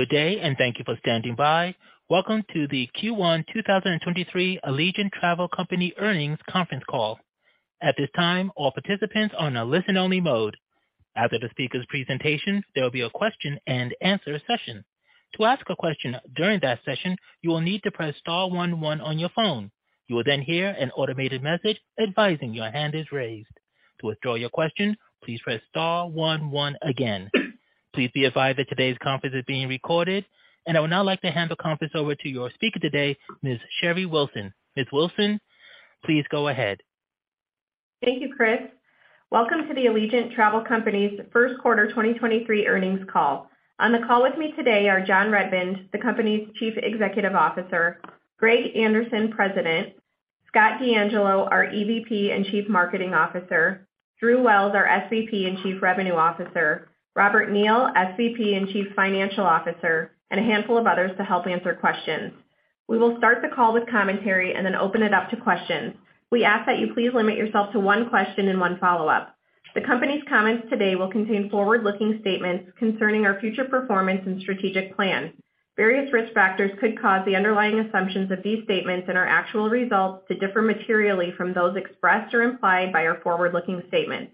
Good day. Thank you for standing by. Welcome to the Q1 2023 Allegiant Travel Company Earnings Conference Call. At this time, all participants are on a listen-only mode. After the speaker's presentation, there will be a question-and-answer session. To ask a question during that session, you will need to press star one one on your phone. You will hear an automated message advising your hand is raised. To withdraw your question, please press star one one again. Please be advised that today's conference is being recorded. I would now like to hand the conference over to your speaker today, Ms. Sherry Wilson. Ms. Wilson, please go ahead. Thank you, Chris. Welcome to the Allegiant Travel Company's First Quarter 2023 Earnings Call. On the call with me today are John Redmond, the company's Chief Executive Officer, Greg Anderson, President, Scott DeAngelo, our EVP and Chief Marketing Officer, Drew Wells, our SVP and Chief Revenue Officer, Robert Neal, SVP and Chief Financial Officer, and a handful of others to help answer questions. We will start the call with commentary and then open it up to questions. We ask that you please limit yourself to one question and one follow-up. The company's comments today will contain forward-looking statements concerning our future performance and strategic plan. Various risk factors could cause the underlying assumptions of these statements and our actual results to differ materially from those expressed or implied by our forward-looking statements.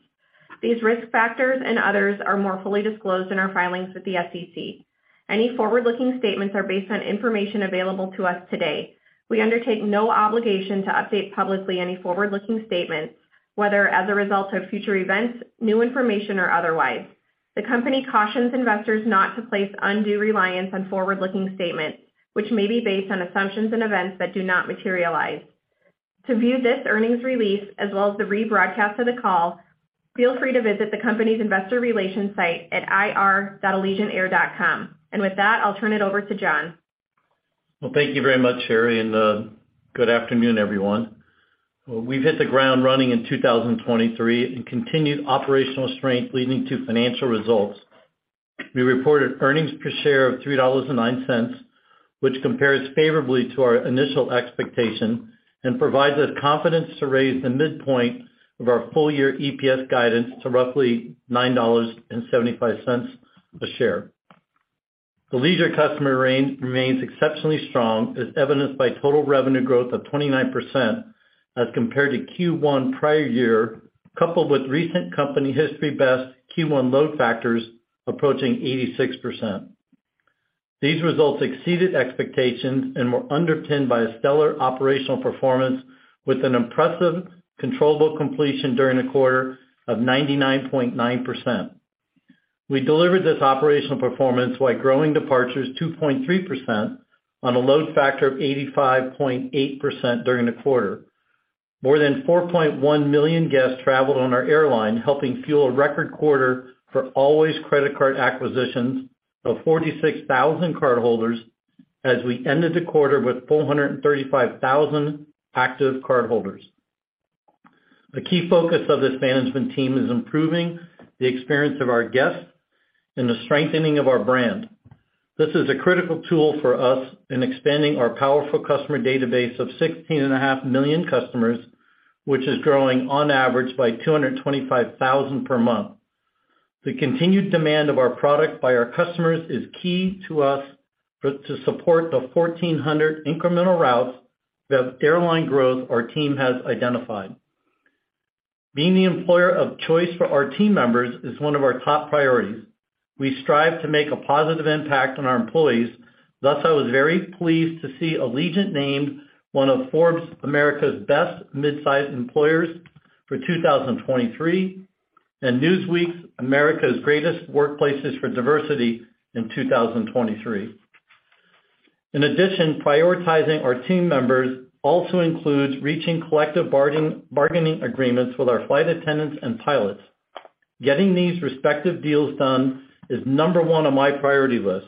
These risk factors and others are more fully disclosed in our filings with the SEC. Any forward-looking statements are based on information available to us today. We undertake no obligation to update publicly any forward-looking statements, whether as a result of future events, new information, or otherwise. The company cautions investors not to place undue reliance on forward-looking statements which may be based on assumptions and events that do not materialize. To view this earnings release as well as the rebroadcast of the call, feel free to visit the company's investor relations site at ir.allegiantair.com. With that, I'll turn it over to John. Well, thank you very much, Sherry. Good afternoon, everyone. We've hit the ground running in 2023 in continued operational strength leading to financial results. We reported earnings per share of $3.09, which compares favorably to our initial expectation and provides us confidence to raise the midpoint of our full-year EPS guidance to roughly $9.75 a share. The leisure customer range remains exceptionally strong, as evidenced by total revenue growth of 29% as compared to Q1 prior year, coupled with recent company history best Q1 load factors approaching 86%. These results exceeded expectations and were underpinned by a stellar operational performance with an impressive controllable completion during the quarter of 99.9%. We delivered this operational performance while growing departures 2.3% on a load factor of 85.8% during the quarter. More than 4.1 million guests traveled on our airline, helping fuel a record quarter for Allways credit card acquisitions of 46,000 cardholders as we ended the quarter with 435,000 active cardholders. A key focus of this management team is improving the experience of our guests and the strengthening of our brand. This is a critical tool for us in expanding our powerful customer database of 16.5 million customers, which is growing on average by 225,000 per month. The continued demand of our product by our customers is key to us to support the 1,400 incremental routes of airline growth our team has identified. Being the employer of choice for our team members is one of our top priorities. We strive to make a positive impact on our employees. Thus, I was very pleased to see Allegiant named one of Forbes America's Best Midsize Employers for 2023 and Newsweek's America's Greatest Workplaces for Diversity in 2023. In addition, prioritizing our team members also includes reaching collective bargaining agreements with our flight attendants and pilots. Getting these respective deals done is number one on my priority list.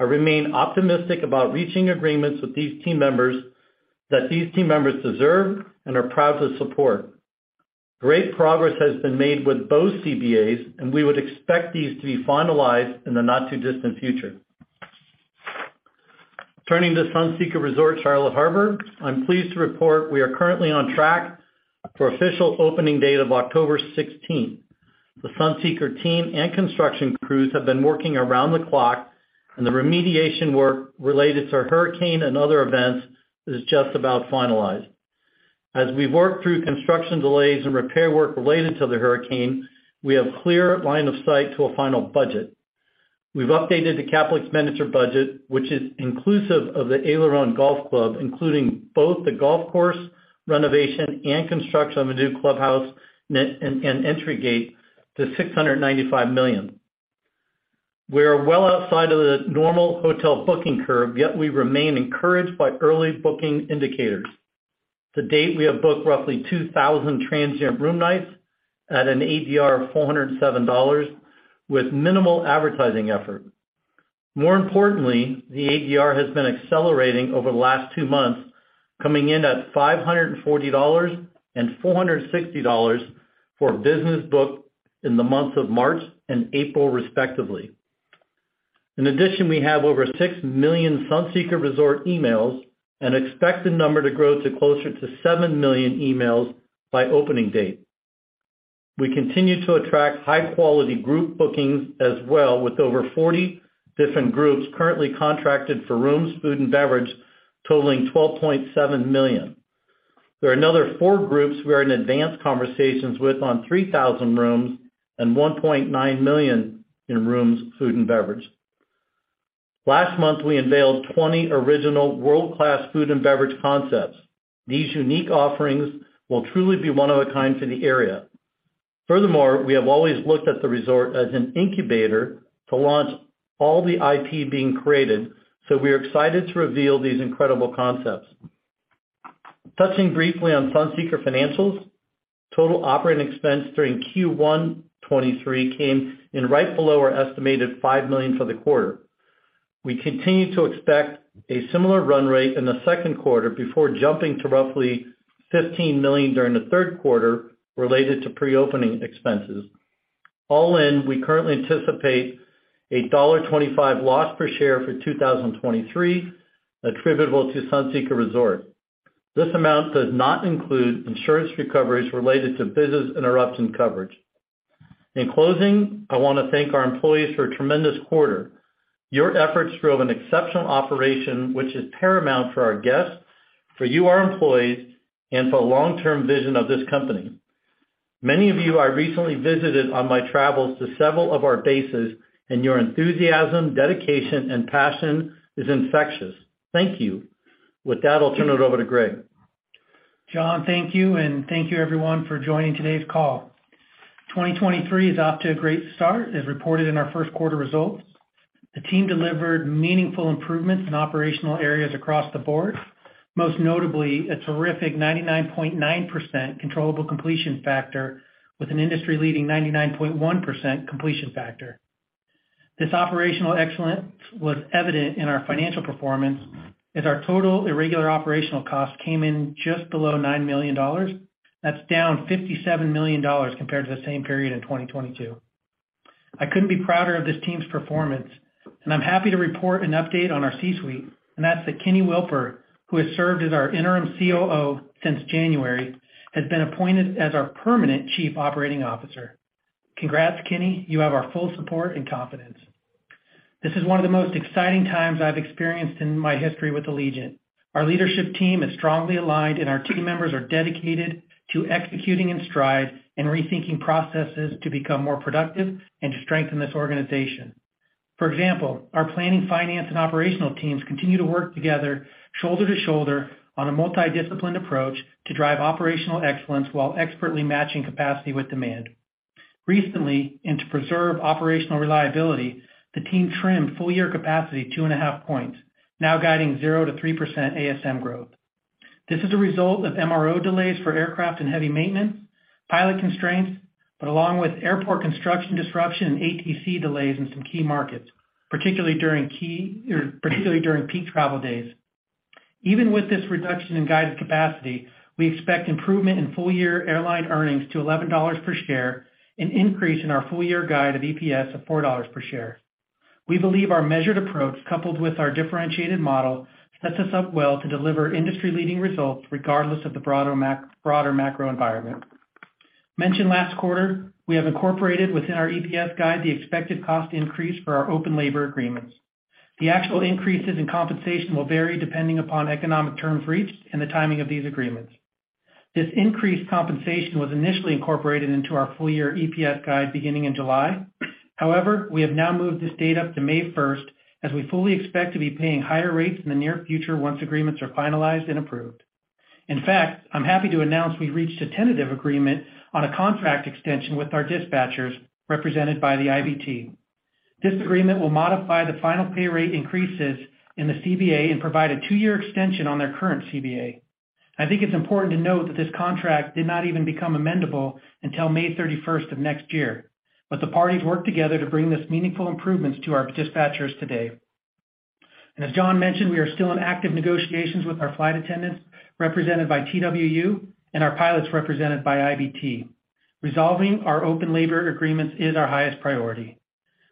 I remain optimistic about reaching agreements with these team members that these team members deserve and are proud to support. Great progress has been made with both CBAs, and we would expect these to be finalized in the not-too-distant future. Turning to Sunseeker Resort Charlotte Harbor, I'm pleased to report we are currently on track for official opening date of October 16th. The Sunseeker team and construction crews have been working around the clock and the remediation work related to hurricane and other events is just about finalized. As we work through construction delays and repair work related to the hurricane, we have clear line of sight to a final budget. We've updated the capital expenditure budget, which is inclusive of the Aileron Golf Club, including both the golf course renovation and construction of a new clubhouse and entry gate to $695 million. We are well outside of the normal hotel booking curve, yet we remain encouraged by early booking indicators. To date, we have booked roughly 2,000 transient room nights at an ADR of $407 with minimal advertising effort. More importantly, the ADR has been accelerating over the last two months, coming in at $540 and $460 for business booked in the months of March and April, respectively. In addition, we have over 6 million Sunseeker Resort emails and expect the number to grow to closer to 7 million emails by opening date. We continue to attract high-quality group bookings as well, with over 40 different groups currently contracted for rooms, food, and beverage totaling $12.7 million. There are another four groups we are in advanced conversations with on 3,000 rooms and $1.9 million in rooms, food, and beverage. Last month, we unveiled 20 original world-class food and beverage concepts. These unique offerings will truly be one of a kind for the area. We have always looked at the resort as an incubator to launch all the IP being created. We're excited to reveal these incredible concepts. Touching briefly on Sunseeker Financials, total operating expense during Q1 2023 came in right below our estimated $5 million for the quarter. We continue to expect a similar run rate in the second quarter before jumping to roughly $15 million during the third quarter related to pre-opening expenses. All in, we currently anticipate a $1.25 loss per share for 2023 attributable to Sunseeker Resort. This amount does not include insurance recoveries related to business interruption coverage. In closing, I wanna thank our employees for a tremendous quarter. Your efforts drove an exceptional operation, which is paramount for our guests, for you, our employees, and for the long-term vision of this company. Many of you I recently visited on my travels to several of our bases, and your enthusiasm, dedication, and passion is infectious. Thank you. With that, I'll turn it over to Greg. John, thank you, and thank you everyone for joining today's call. 2023 is off to a great start, as reported in our first quarter results. The team delivered meaningful improvements in operational areas across the board, most notably a terrific 99.9% controllable completion factor with an industry-leading 99.1% completion factor. This operational excellence was evident in our financial performance as our total irregular operational cost came in just below $9 million. That's down $57 million compared to the same period in 2022. I couldn't be prouder of this team's performance, and I'm happy to report an update on our C-suite, and that's that Keny Wilper, who has served as our Interim COO since January, has been appointed as our permanent Chief Operating Officer. Congrats, Keny. You have our full support and confidence. This is one of the most exciting times I've experienced in my history with Allegiant. Our leadership team is strongly aligned, and our team members are dedicated to executing in stride and rethinking processes to become more productive and to strengthen this organization. For example, our planning, finance, and operational teams continue to work together shoulder to shoulder on a multidisciplined approach to drive operational excellence while expertly matching capacity with demand. Recently, to preserve operational reliability, the team trimmed full-year capacity 2.5 points, now guiding 0%-3% ASM growth. This is a result of MRO delays for aircraft and heavy maintenance, pilot constraints, along with airport construction disruption and ATC delays in some key markets, particularly during peak travel days. Even with this reduction in guided capacity, we expect improvement in full-year airline earnings to $11 per share, an increase in our full-year guide of EPS of $4 per share. We believe our measured approach, coupled with our differentiated model, sets us up well to deliver industry-leading results regardless of the broader macro environment. Mentioned last quarter, we have incorporated within our EPS guide the expected cost increase for our open labor agreements. The actual increases in compensation will vary depending upon economic terms reached and the timing of these agreements. This increased compensation was initially incorporated into our full-year EPS guide beginning in July. However, we have now moved this date up to May 1st, as we fully expect to be paying higher rates in the near future once agreements are finalized and approved. In fact, I'm happy to announce we've reached a tentative agreement on a contract extension with our dispatchers represented by the IBT. This agreement will modify the final pay rate increases in the CBA and provide a two-year extension on their current CBA. I think it's important to note that this contract did not even become amendable until May 31st of next year, but the parties worked together to bring these meaningful improvements to our dispatchers today. As John mentioned, we are still in active negotiations with our flight attendants represented by TWU and our pilots represented by IBT. Resolving our open labor agreements is our highest priority.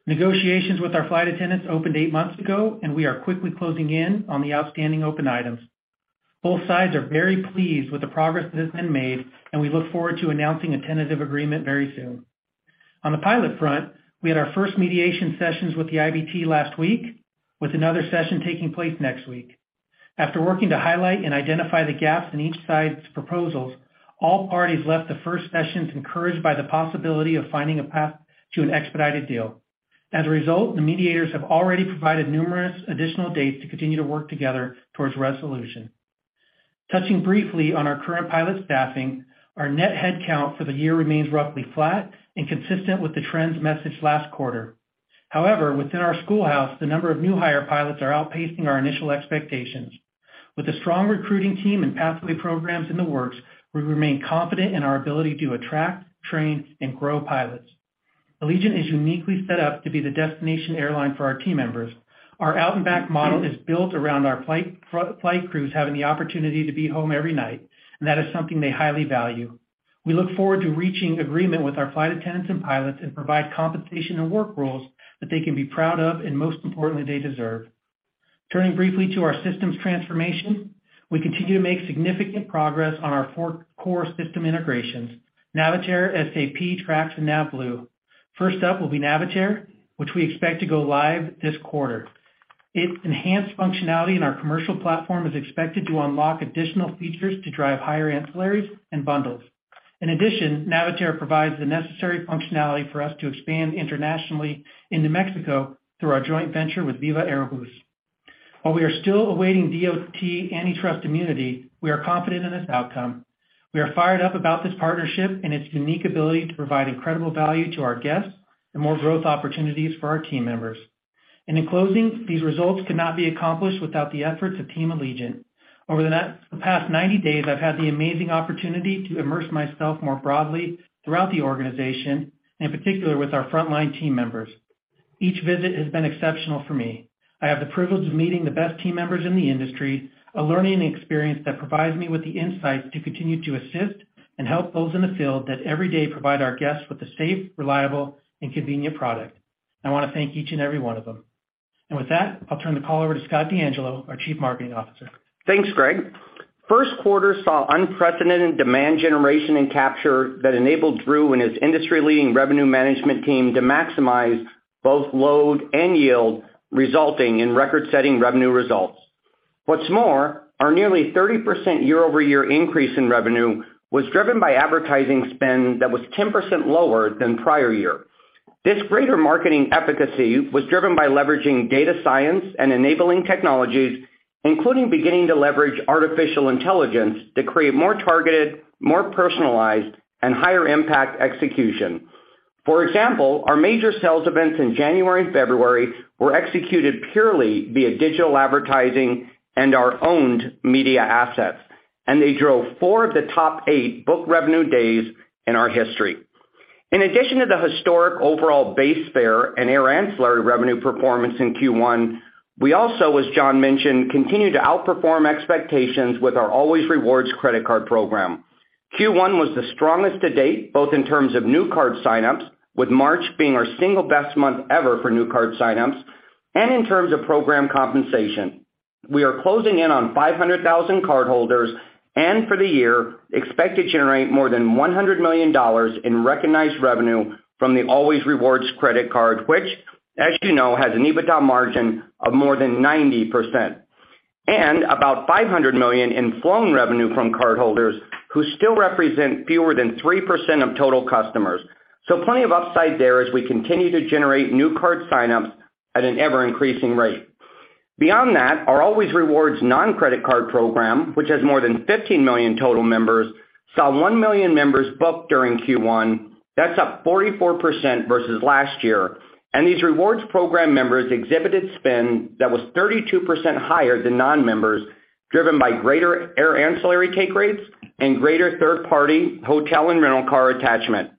Negotiations with our flight attendants opened eight months ago, and we are quickly closing in on the outstanding open items. Both sides are very pleased with the progress that has been made, and we look forward to announcing a tentative agreement very soon. On the pilot front, we had our first mediation sessions with the IBT last week, with another session taking place next week. After working to highlight and identify the gaps in each side's proposals, all parties left the first sessions encouraged by the possibility of finding a path to an expedited deal. As a result, the mediators have already provided numerous additional dates to continue to work together towards resolution. Touching briefly on our current pilot staffing, our net headcount for the year remains roughly flat and consistent with the trends messaged last quarter. However, within our schoolhouse, the number of new hire pilots are outpacing our initial expectations. With a strong recruiting team and pathway programs in the works, we remain confident in our ability to attract, train, and grow pilots. Allegiant is uniquely set up to be the destination airline for our team members. Our out and back model is built around our flight crews having the opportunity to be home every night, and that is something they highly value. We look forward to reaching agreement with our flight attendants and pilots and provide compensation and work rules that they can be proud of and, most importantly, they deserve. Turning briefly to our systems transformation, we continue to make significant progress on our four core system integrations, Navitaire, SAP, TRAX and NAVBLUE. First up will be Navitaire, which we expect to go live this quarter. Its enhanced functionality in our commercial platform is expected to unlock additional features to drive higher ancillaries and bundles. In addition, Navitaire provides the necessary functionality for us to expand internationally into Mexico through our joint venture with Viva Aerobus. While we are still awaiting DOT antitrust immunity, we are confident in this outcome. We are fired up about this partnership and its unique ability to provide incredible value to our guests and more growth opportunities for our team members. In closing, these results could not be accomplished without the efforts of Team Allegiant. Over the past 90 days, I've had the amazing opportunity to immerse myself more broadly throughout the organization, and in particular, with our frontline team members. Each visit has been exceptional for me. I have the privilege of meeting the best team members in the industry, a learning experience that provides me with the insights to continue to assist and help those in the field that every day provide our guests with a safe, reliable, and convenient product. I want to thank each and every one of them. With that, I'll turn the call over to Scott DeAngelo, our Chief Marketing Officer. Thanks, Greg. First quarter saw unprecedented demand generation and capture that enabled Drew and his industry-leading revenue management team to maximize both load and yield, resulting in record-setting revenue results. What's more, our nearly 30% year-over-year increase in revenue was driven by advertising spend that was 10% lower than prior year. This greater marketing efficacy was driven by leveraging data science and enabling technologies, including beginning to leverage artificial intelligence to create more targeted, more personalized, and higher impact execution. For example, our major sales events in January and February were executed purely via digital advertising and our owned media assets, and they drove four of the top eight book revenue days in our history. In addition to the historic overall base fare and air ancillary revenue performance in Q1, we also, as John mentioned, continued to outperform expectations with our Allways Rewards credit card program. Q1 was the strongest to date, both in terms of new card sign-ups, with March being our single best month ever for new card sign-ups, and in terms of program compensation. We are closing in on 500,000 cardholders and for the year expect to generate more than $100 million in recognized revenue from the Allways Rewards credit card, which, as you know, has an EBITDA margin of more than 90%, and about $500 million in flown revenue from cardholders who still represent fewer than 3% of total customers. Plenty of upside there as we continue to generate new card sign-ups at an ever-increasing rate. Beyond that, our Allways Rewards non-credit card program, which has more than 15 million total members, saw 1 million members book during Q1. That's up 44% versus last year. These rewards program members exhibited spend that was 32% higher than non-members, driven by greater air ancillary take rates and greater third-party hotel and rental car attachment.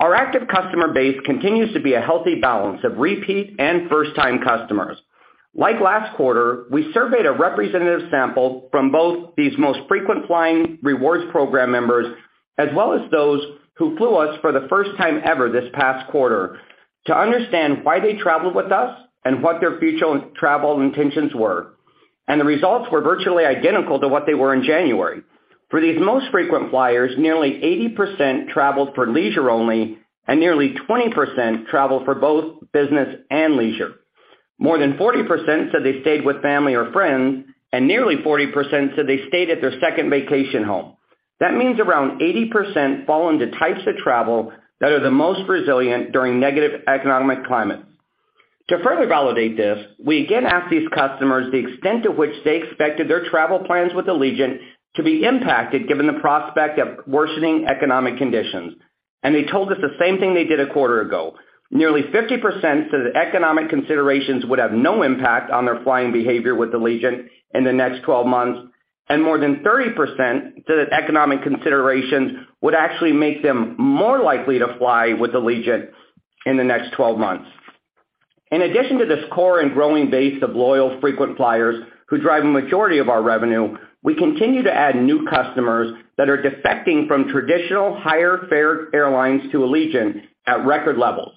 Our active customer base continues to be a healthy balance of repeat and first-time customers. Like last quarter, we surveyed a representative sample from both these most frequent flying rewards program members, as well as those who flew us for the first time ever this past quarter to understand why they traveled with us and what their future travel intentions were. The results were virtually identical to what they were in January. For these most frequent flyers, nearly 80% traveled for leisure only, and nearly 20% traveled for both business and leisure. More than 40% said they stayed with family or friends. Nearly 40% said they stayed at their second vacation home. That means around 80% fall into types of travel that are the most resilient during negative economic climates. To further validate this, we again asked these customers the extent to which they expected their travel plans with Allegiant to be impacted given the prospect of worsening economic conditions. They told us the same thing they did a quarter ago. Nearly 50% said that economic considerations would have no impact on their flying behavior with Allegiant in the next 12 months. More than 30% said that economic considerations would actually make them more likely to fly with Allegiant in the next 12 months. In addition to this core and growing base of loyal frequent flyers who drive a majority of our revenue, we continue to add new customers that are defecting from traditional higher fare airlines to Allegiant at record levels.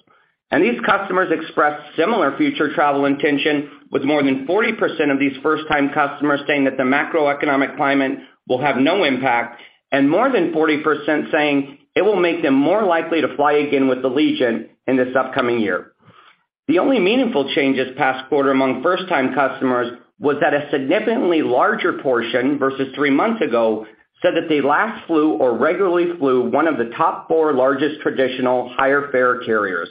These customers expressed similar future travel intention with more than 40% of these first-time customers saying that the macroeconomic climate will have no impact, and more than 40% saying it will make them more likely to fly again with Allegiant in this upcoming year. The only meaningful change this past quarter among first-time customers was that a significantly larger portion versus three months ago said that they last flew or regularly flew one of the top four largest traditional higher fare carriers.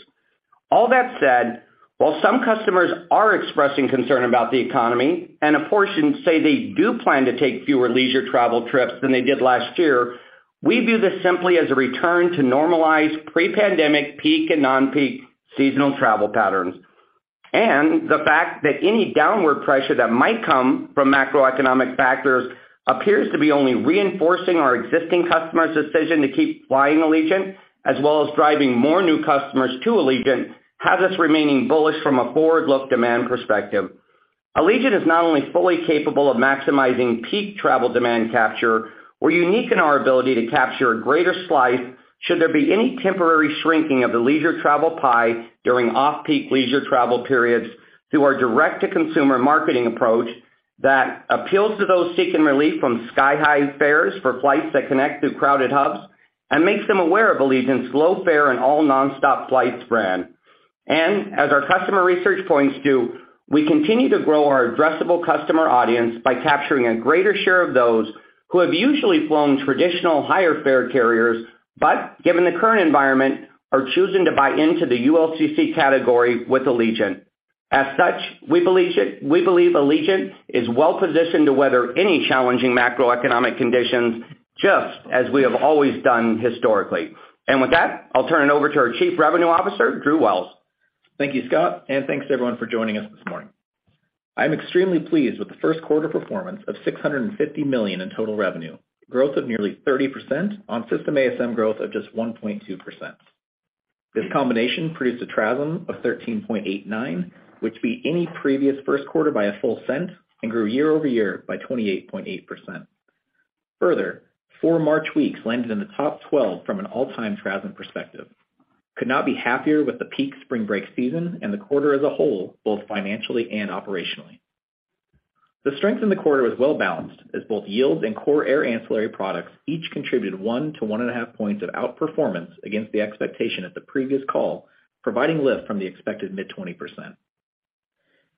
All that said, while some customers are expressing concern about the economy and a portion say they do plan to take fewer leisure travel trips than they did last year, we view this simply as a return to normalized pre-pandemic peak and non-peak seasonal travel patterns. The fact that any downward pressure that might come from macroeconomic factors appears to be only reinforcing our existing customers' decision to keep flying Allegiant, as well as driving more new customers to Allegiant, has us remaining bullish from a forward-look demand perspective. Allegiant is not only fully capable of maximizing peak travel demand capture. We're unique in our ability to capture a greater slice should there be any temporary shrinking of the leisure travel pie during off-peak leisure travel periods through our direct-to-consumer marketing approach. That appeals to those seeking relief from sky-high fares for flights that connect through crowded hubs and makes them aware of Allegiant's low fare and all nonstop flights brand. As our customer research points to, we continue to grow our addressable customer audience by capturing a greater share of those who have usually flown traditional higher fare carriers, but given the current environment, are choosing to buy into the ULCC category with Allegiant. As such, we believe Allegiant is well-positioned to weather any challenging macroeconomic conditions, just as we have always done historically. With that, I'll turn it over to our Chief Revenue Officer, Drew Wells. Thank you, Scott, thanks to everyone for joining us this morning. I'm extremely pleased with the first quarter performance of $650 million in total revenue, growth of nearly 30% on system ASM growth of just 1.2%. This combination produced a TRASM of $13.89, which beat any previous first quarter by a full cent and grew year-over-year by 28.8%. Four March weeks landed in the top 12 from an all-time TRASM perspective. Could not be happier with the peak spring break season and the quarter as a whole, both financially and operationally. The strength in the quarter was well-balanced, as both yields and core air ancillary products each contributed one to one and a half points of outperformance against the expectation at the previous call, providing lift from the expected mid-20%.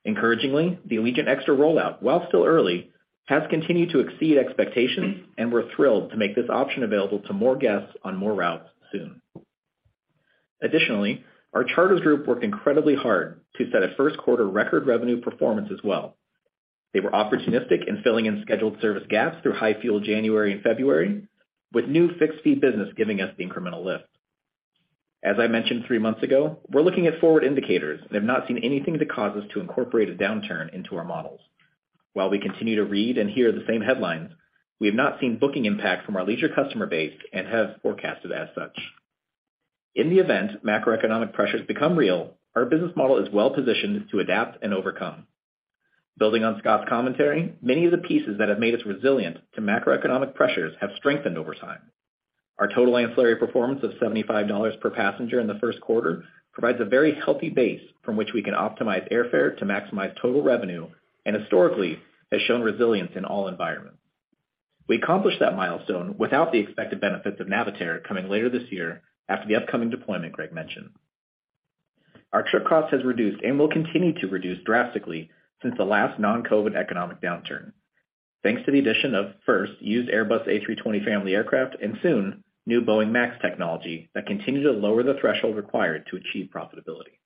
Encouragingly, the Allegiant Extra rollout, while still early, has continued to exceed expectations, and we're thrilled to make this option available to more guests on more routes soon. Additionally, our charters group worked incredibly hard to set a first quarter record revenue performance as well. They were opportunistic in filling in scheduled service gaps through high-fuel January and February, with new fixed-fee business giving us the incremental lift. As I mentioned three months ago, we're looking at forward indicators and have not seen anything that caused us to incorporate a downturn into our models. While we continue to read and hear the same headlines, we have not seen booking impact from our leisure customer base and have forecasted as such. In the event macroeconomic pressures become real, our business model is well-positioned to adapt and overcome. Building on Scott's commentary, many of the pieces that have made us resilient to macroeconomic pressures have strengthened over time. Our total ancillary performance of $75 per passenger in the first quarter provides a very healthy base from which we can optimize airfare to maximize total revenue, and historically has shown resilience in all environments. We accomplished that milestone without the expected benefits of Navitaire coming later this year after the upcoming deployment Greg mentioned. Our trip cost has reduced and will continue to reduce drastically since the last non-COVID economic downturn. Thanks to the addition of first used Airbus A320 family aircraft and soon new 737 MAX technology that continue to lower the threshold required to achieve profitability.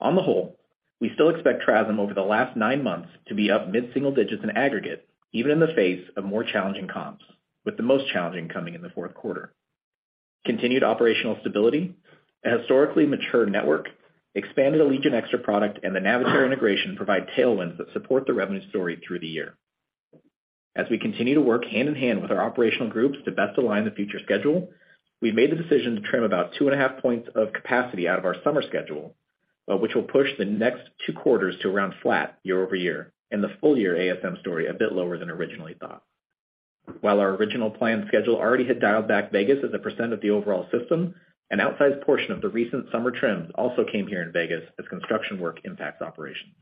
On the whole, we still expect TRASM over the last nine months to be up mid-single digits in aggregate, even in the face of more challenging comps, with the most challenging coming in the fourth quarter. Continued operational stability, a historically mature network, expanded Allegiant Extra product, and the Navitaire integration provide tailwinds that support the revenue story through the year. As we continue to work hand-in-hand with our operational groups to best align the future schedule, we've made the decision to trim about 2.5 points of capacity out of our summer schedule, which will push the next two quarters to around flat year-over-year and the full-year ASM story a bit lower than originally thought. While our original planned schedule already had dialed back Vegas as a percentage of the overall system, an outsized portion of the recent summer trims also came here in Vegas as construction work impacts operations.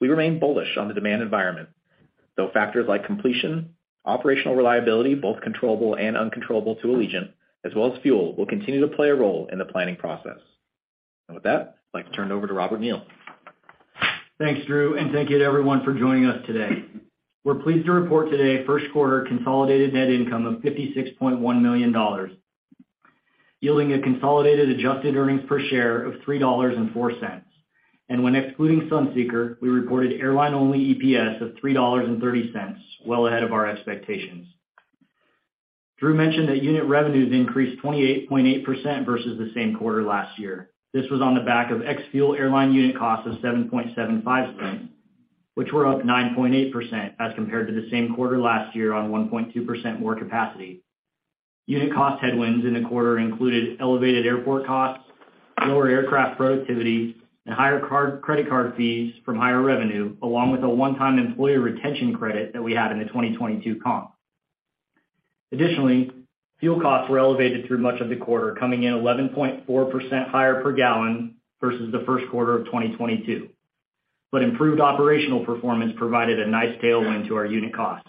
We remain bullish on the demand environment, though factors like completion, operational reliability, both controllable and uncontrollable to Allegiant, as well as fuel, will continue to play a role in the planning process. With that, I'd like to turn it over to Robert Neal. Thanks, Drew, and thank you to everyone for joining us today. We're pleased to report today first quarter consolidated net income of $56.1 million, yielding a consolidated adjusted EPS of $3.04. When excluding Sunseeker, we reported airline-only EPS of $3.30, well ahead of our expectations. Drew mentioned that unit revenues increased 28.8% versus the same quarter last year. This was on the back of ex-fuel airline unit costs of $0.0775, which were up 9.8% as compared to the same quarter last year on 1.2% more capacity. Unit cost headwinds in the quarter included elevated airport costs, lower aircraft productivity, and higher credit card fees from higher revenue, along with a one-time Employee Retention Credit that we had in the 2022 comp. Additionally, fuel costs were elevated through much of the quarter, coming in 11.4% higher per gallon versus the first quarter of 2022. Improved operational performance provided a nice tailwind to our unit costs.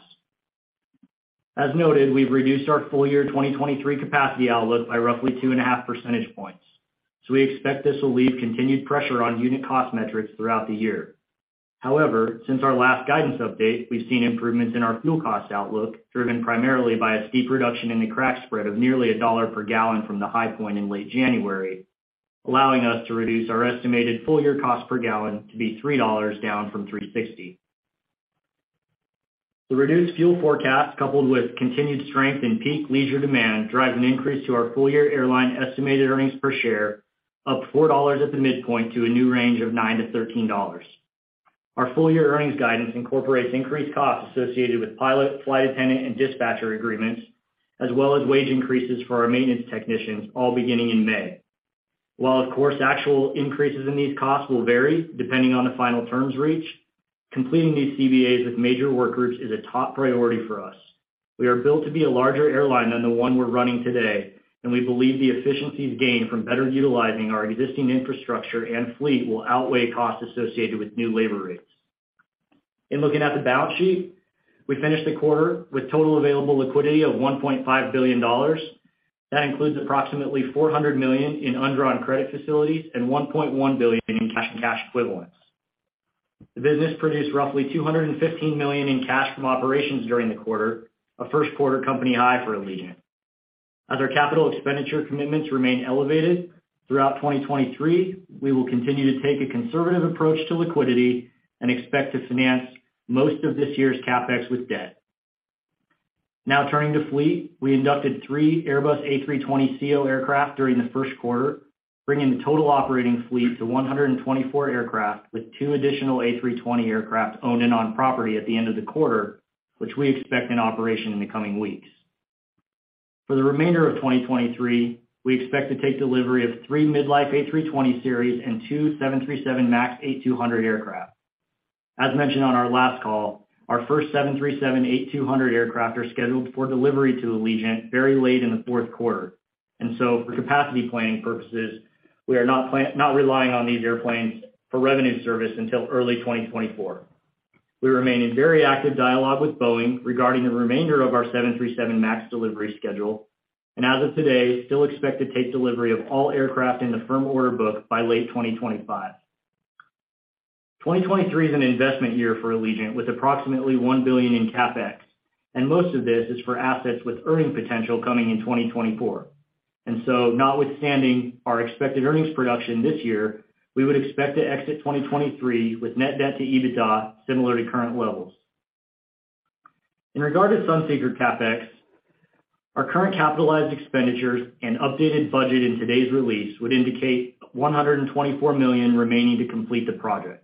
As noted, we've reduced our full year 2023 capacity outlook by roughly 2.5 percentage points, we expect this will leave continued pressure on unit cost metrics throughout the year. Since our last guidance update, we've seen improvements in our fuel cost outlook, driven primarily by a steep reduction in the crack spread of nearly $1 per gallon from the high point in late January, allowing us to reduce our estimated full year cost per gallon to be $3, down from $3.60. The reduced fuel forecast, coupled with continued strength in peak leisure demand, drives an increase to our full-year airline estimated earnings per share of $4 at the midpoint to a new range of $9-$13. Our full-year earnings guidance incorporates increased costs associated with pilot, flight attendant, and dispatcher agreements, as well as wage increases for our maintenance technicians, all beginning in May. While of course, actual increases in these costs will vary depending on the final terms reached, completing these CBAs with major work groups is a top priority for us. We are built to be a larger airline than the one we're running today, and we believe the efficiencies gained from better utilizing our existing infrastructure and fleet will outweigh costs associated with new labor rates. In looking at the balance sheet, we finished the quarter with total available liquidity of $1.5 billion. That includes approximately $400 million in undrawn credit facilities and $1.1 billion in cash and cash equivalents. The business produced roughly $215 million in cash from operations during the quarter, a first quarter company high for Allegiant. As our capital expenditure commitments remain elevated throughout 2023, we will continue to take a conservative approach to liquidity and expect to finance most of this year's CapEx with debt. Turning to fleet, we inducted three Airbus A320ceo aircraft during the first quarter, bringing the total operating fleet to 124 aircraft, with two additional A320 aircraft owned and on property at the end of the quarter, which we expect in operation in the coming weeks. For the remainder of 2023, we expect to take delivery of three mid-life A320 series and two 737 MAX 8-200 aircraft. As mentioned on our last call, our first 737-8-200 aircraft are scheduled for delivery to Allegiant very late in the fourth quarter. For capacity planning purposes, we are not relying on these airplanes for revenue service until early 2024. We remain in very active dialogue with Boeing regarding the remainder of our 737 MAX delivery schedule and as of today, still expect to take delivery of all aircraft in the firm order book by late 2025. 2023 is an investment year for Allegiant with approximately $1 billion in CapEx. Most of this is for assets with earning potential coming in 2024. Notwithstanding our expected earnings production this year, we would expect to exit 2023 with net debt to EBITDA similar to current levels. In regard to Sunseeker CapEx, our current capitalized expenditures and updated budget in today's release would indicate $124 million remaining to complete the project.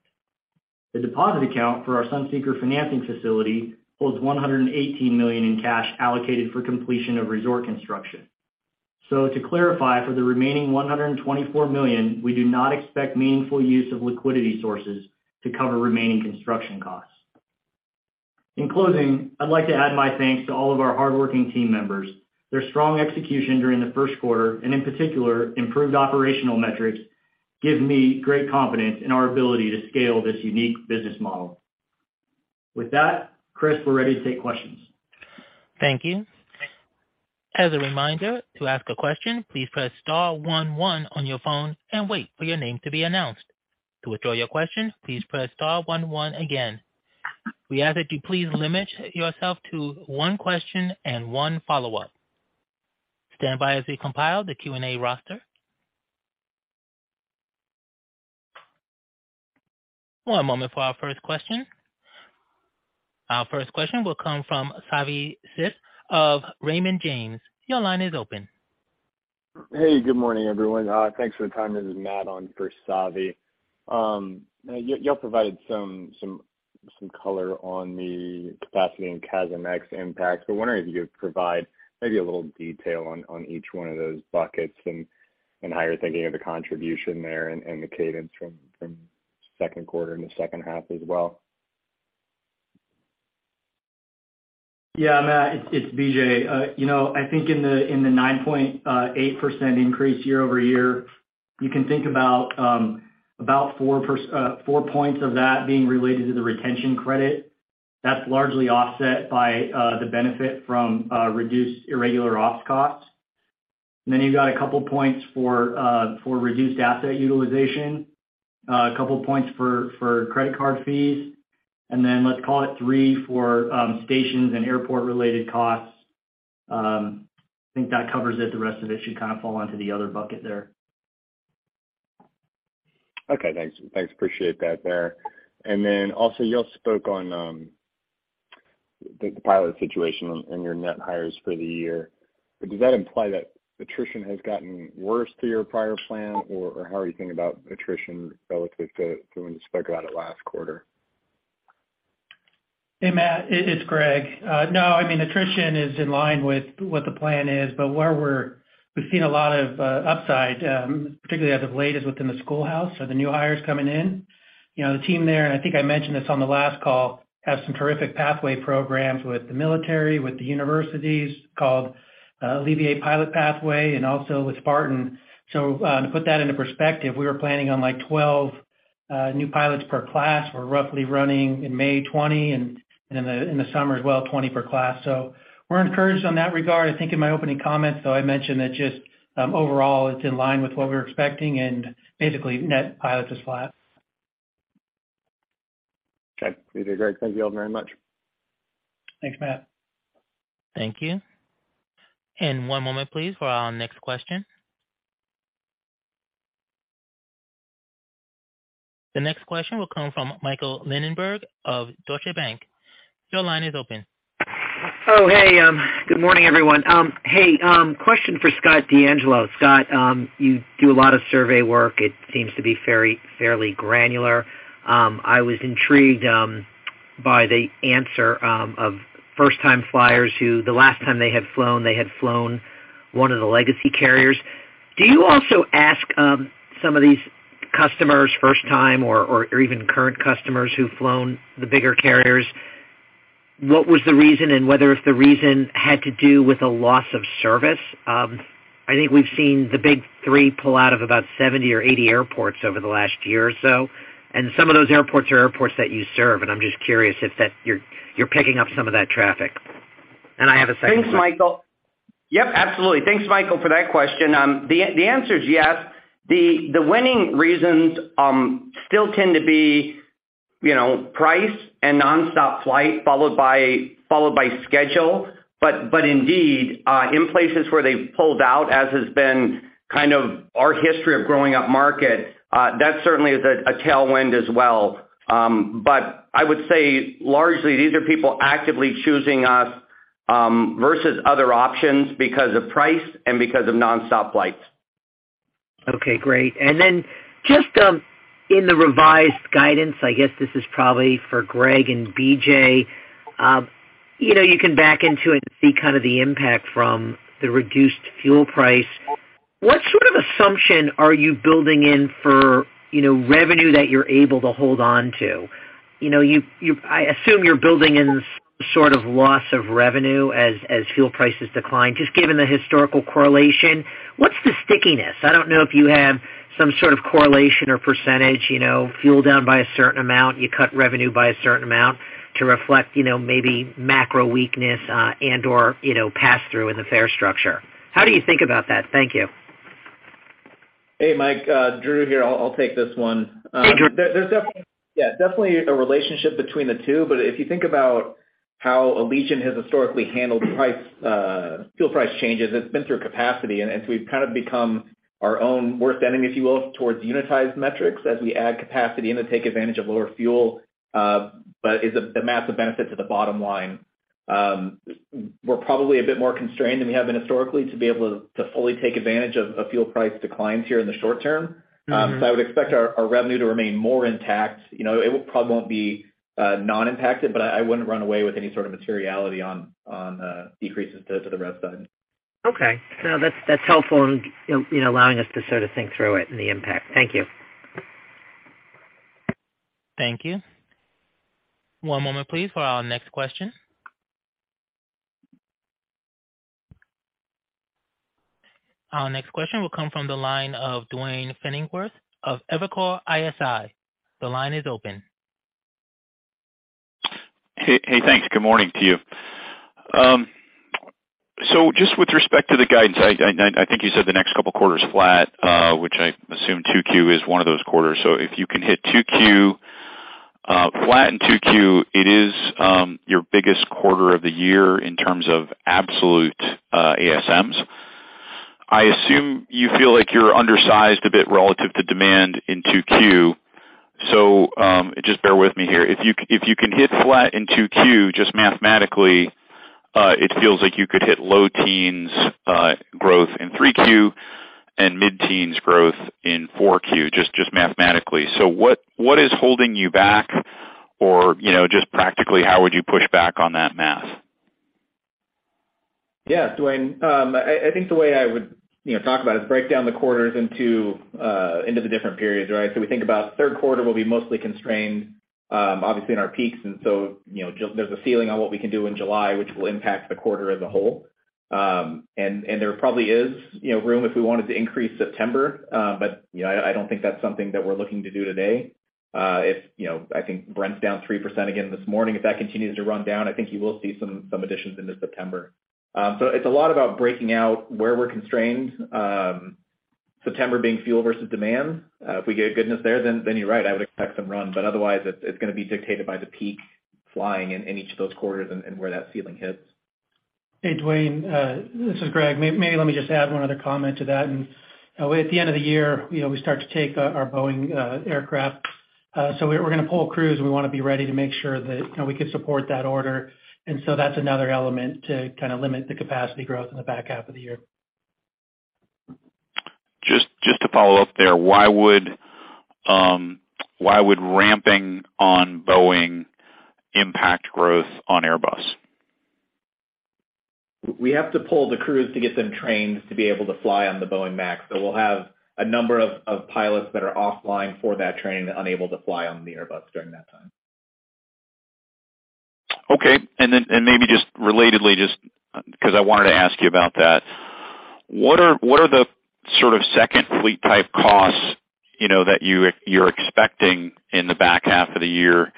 The deposit account for our Sunseeker financing facility holds $118 million in cash allocated for completion of resort construction. To clarify, for the remaining $124 million, we do not expect meaningful use of liquidity sources to cover remaining construction costs. In closing, I'd like to add my thanks to all of our hardworking team members. Their strong execution during the first quarter, and in particular, improved operational metrics, give me great confidence in our ability to scale this unique business model. With that, Chris, we're ready to take questions. Thank you. As a reminder, to ask a question, please press star one one on your phone and wait for your name to be announced. To withdraw your question, please press star one one again. We ask that you please limit yourself to one question and one follow-up. Stand by as we compile the Q&A roster. One moment for our first question. Our first question will come from Savanthi Syth of Raymond James. Your line is open. Hey, good morning, everyone. Thanks for the time. This is Matt on for Savi. Y'all provided some color on the capacity and CASM ex impact. I was wondering if you could provide maybe a little detail on each one of those buckets and how you're thinking of the contribution there and the cadence from second quarter and the second half as well? Yeah, Matt, it's BJ. you know, I think in the 9.8% increase year-over-year, you can think about four points of that being related to the retention credit. That's largely offset by the benefit from reduced irregular IROPs costs. You've got a couple points for reduced asset utilization, a couple of points for credit card fees, Let's call it three for stations and airport-related costs. I think that covers it. The rest of it should kind of fall onto the other bucket there. Okay, thanks. Thanks, appreciate that there. Also, you all spoke on the pilot situation and your net hires for the year. Does that imply that attrition has gotten worse to your prior plan, or how are you thinking about attrition relative to when you spoke about it last quarter? Hey, Matt, it's Greg. No, I mean, attrition is in line with what the plan is. Where we've seen a lot of upside, particularly as of late, is within the schoolhouse. The new hires coming in. You know, the team there, and I think I mentioned this on the last call, has some terrific pathway programs with the military, with the universities called Accelerate Pilot Pathway and also with Spartan. To put that into perspective, we were planning on like 12 new pilots per class. We're roughly running in May, 20, and in the summer as well, 20 per class. We're encouraged on that regard. I think in my opening comments, though, I mentioned that just overall it's in line with what we're expecting and basically net pilots is flat. Okay. You did great. Thank you all very much. Thanks, Matt. Thank you. One moment please for our next question. The next question will come from Michael Linenberg of Deutsche Bank. Your line is open. Good morning, everyone. Question for Scott DeAngelo. Scott, you do a lot of survey work. It seems to be very fairly granular. I was intrigued by the answer of first-time flyers who the last time they had flown, they had flown one of the legacy carriers. Do you also ask some of these Customers first time or even current customers who've flown the bigger carriers, what was the reason and whether if the reason had to do with a loss of service? I think we've seen the big three pull out of about 70 or 80 airports over the last year or so, and some of those airports are airports that you serve, and I'm just curious if that you're picking up some of that traffic. I have a second one. Thanks, Michael. Yep, absolutely. Thanks Michael for that question. The answer is yes. The winning reasons, still tend to be, you know, price and nonstop flight followed by schedule. Indeed, in places where they've pulled out as has been kind of our history of growing up market, that certainly is a tailwind as well. I would say largely these are people actively choosing us versus other options because of price and because of nonstop flights. Okay, great. Then just in the revised guidance, I guess this is probably for Greg and BJ. You know, you can back into it and see kind of the impact from the reduced fuel price. What sort of assumption are you building in for, you know, revenue that you're able to hold on to? I assume you're building in some sort of loss of revenue as fuel prices decline, just given the historical correlation. What's the stickiness? I don't know if you have some sort of correlation or percentage, you know, fuel down by a certain amount, you cut revenue by a certain amount to reflect, you know, maybe macro weakness, and/or, you know, pass through in the fare structure. How do you think about that? Thank you. Hey, Mike. Drew here. I'll take this one. Hey, Drew. There's definitely a relationship between the two. If you think about how Allegiant has historically handled price, fuel price changes, it's been through capacity. As we've kind of become our own worst enemy, if you will, towards unitized metrics as we add capacity and to take advantage of lower fuel, but is a massive benefit to the bottom line. We're probably a bit more constrained than we have been historically to be able to fully take advantage of fuel price declines here in the short term.I would expect our revenue to remain more intact. You know, probably won't be non-impacted, but I wouldn't run away with any sort of materiality on decreases to the rev side. Okay. No, that's helpful in allowing us to sort of think through it and the impact. Thank you. Thank you. One moment please for our next question. Our next question will come from the line of Duane Pfennigwerth of Evercore ISI. The line is open. Hey, thanks. Good morning to you. Just with respect to the guidance, I think you said the next couple quarters flat, which I assume 2Q is one of those quarters. If you can hit 2Q flat in 2Q, it is your biggest quarter of the year in terms of absolute ASMs. I assume you feel like you're undersized a bit relative to demand in 2Q. Just bear with me here. If you can hit flat in 2Q, just mathematically, it feels like you could hit low teens growth in 3Q and mid-teens growth in 4Q, just mathematically. What is holding you back or, you know, just practically, how would you push back on that math? Duane, I think the way I would, you know, talk about it is break down the quarters into the different periods, right? We think about third quarter will be mostly constrained, obviously in our peaks. You know, just there's a ceiling on what we can do in July, which will impact the quarter as a whole. There probably is, you know, room if we wanted to increase September, you know, I don't think that's something that we're looking to do today. If, you know, I think Brent's down 3% again this morning. If that continues to run down, I think you will see some additions into September. It's a lot about breaking out where we're constrained, September being fuel versus demand. If we get goodness there, then you're right, I would expect some run. Otherwise it's gonna be dictated by the peak flying in each of those quarters and where that ceiling hits. Hey, Duane, this is Greg. Maybe let me just add one other comment to that. At the end of the year, you know, we start to take our Boeing aircraft. We're gonna pull crews and we wanna be ready to make sure that, you know, we can support that order. That's another element to kind of limit the capacity growth in the back half of the year. Just to follow up there, why would ramping on Boeing impact growth on Airbus? We have to pull the crews to get them trained to be able to fly on the 737 MAX. We'll have a number of pilots that are offline for that training, unable to fly on the Airbus during that time. Okay. Maybe just relatedly, just 'cause I wanted to ask you about that. What are the sort of second fleet-type costs, you know, that you're expecting in the back half of the year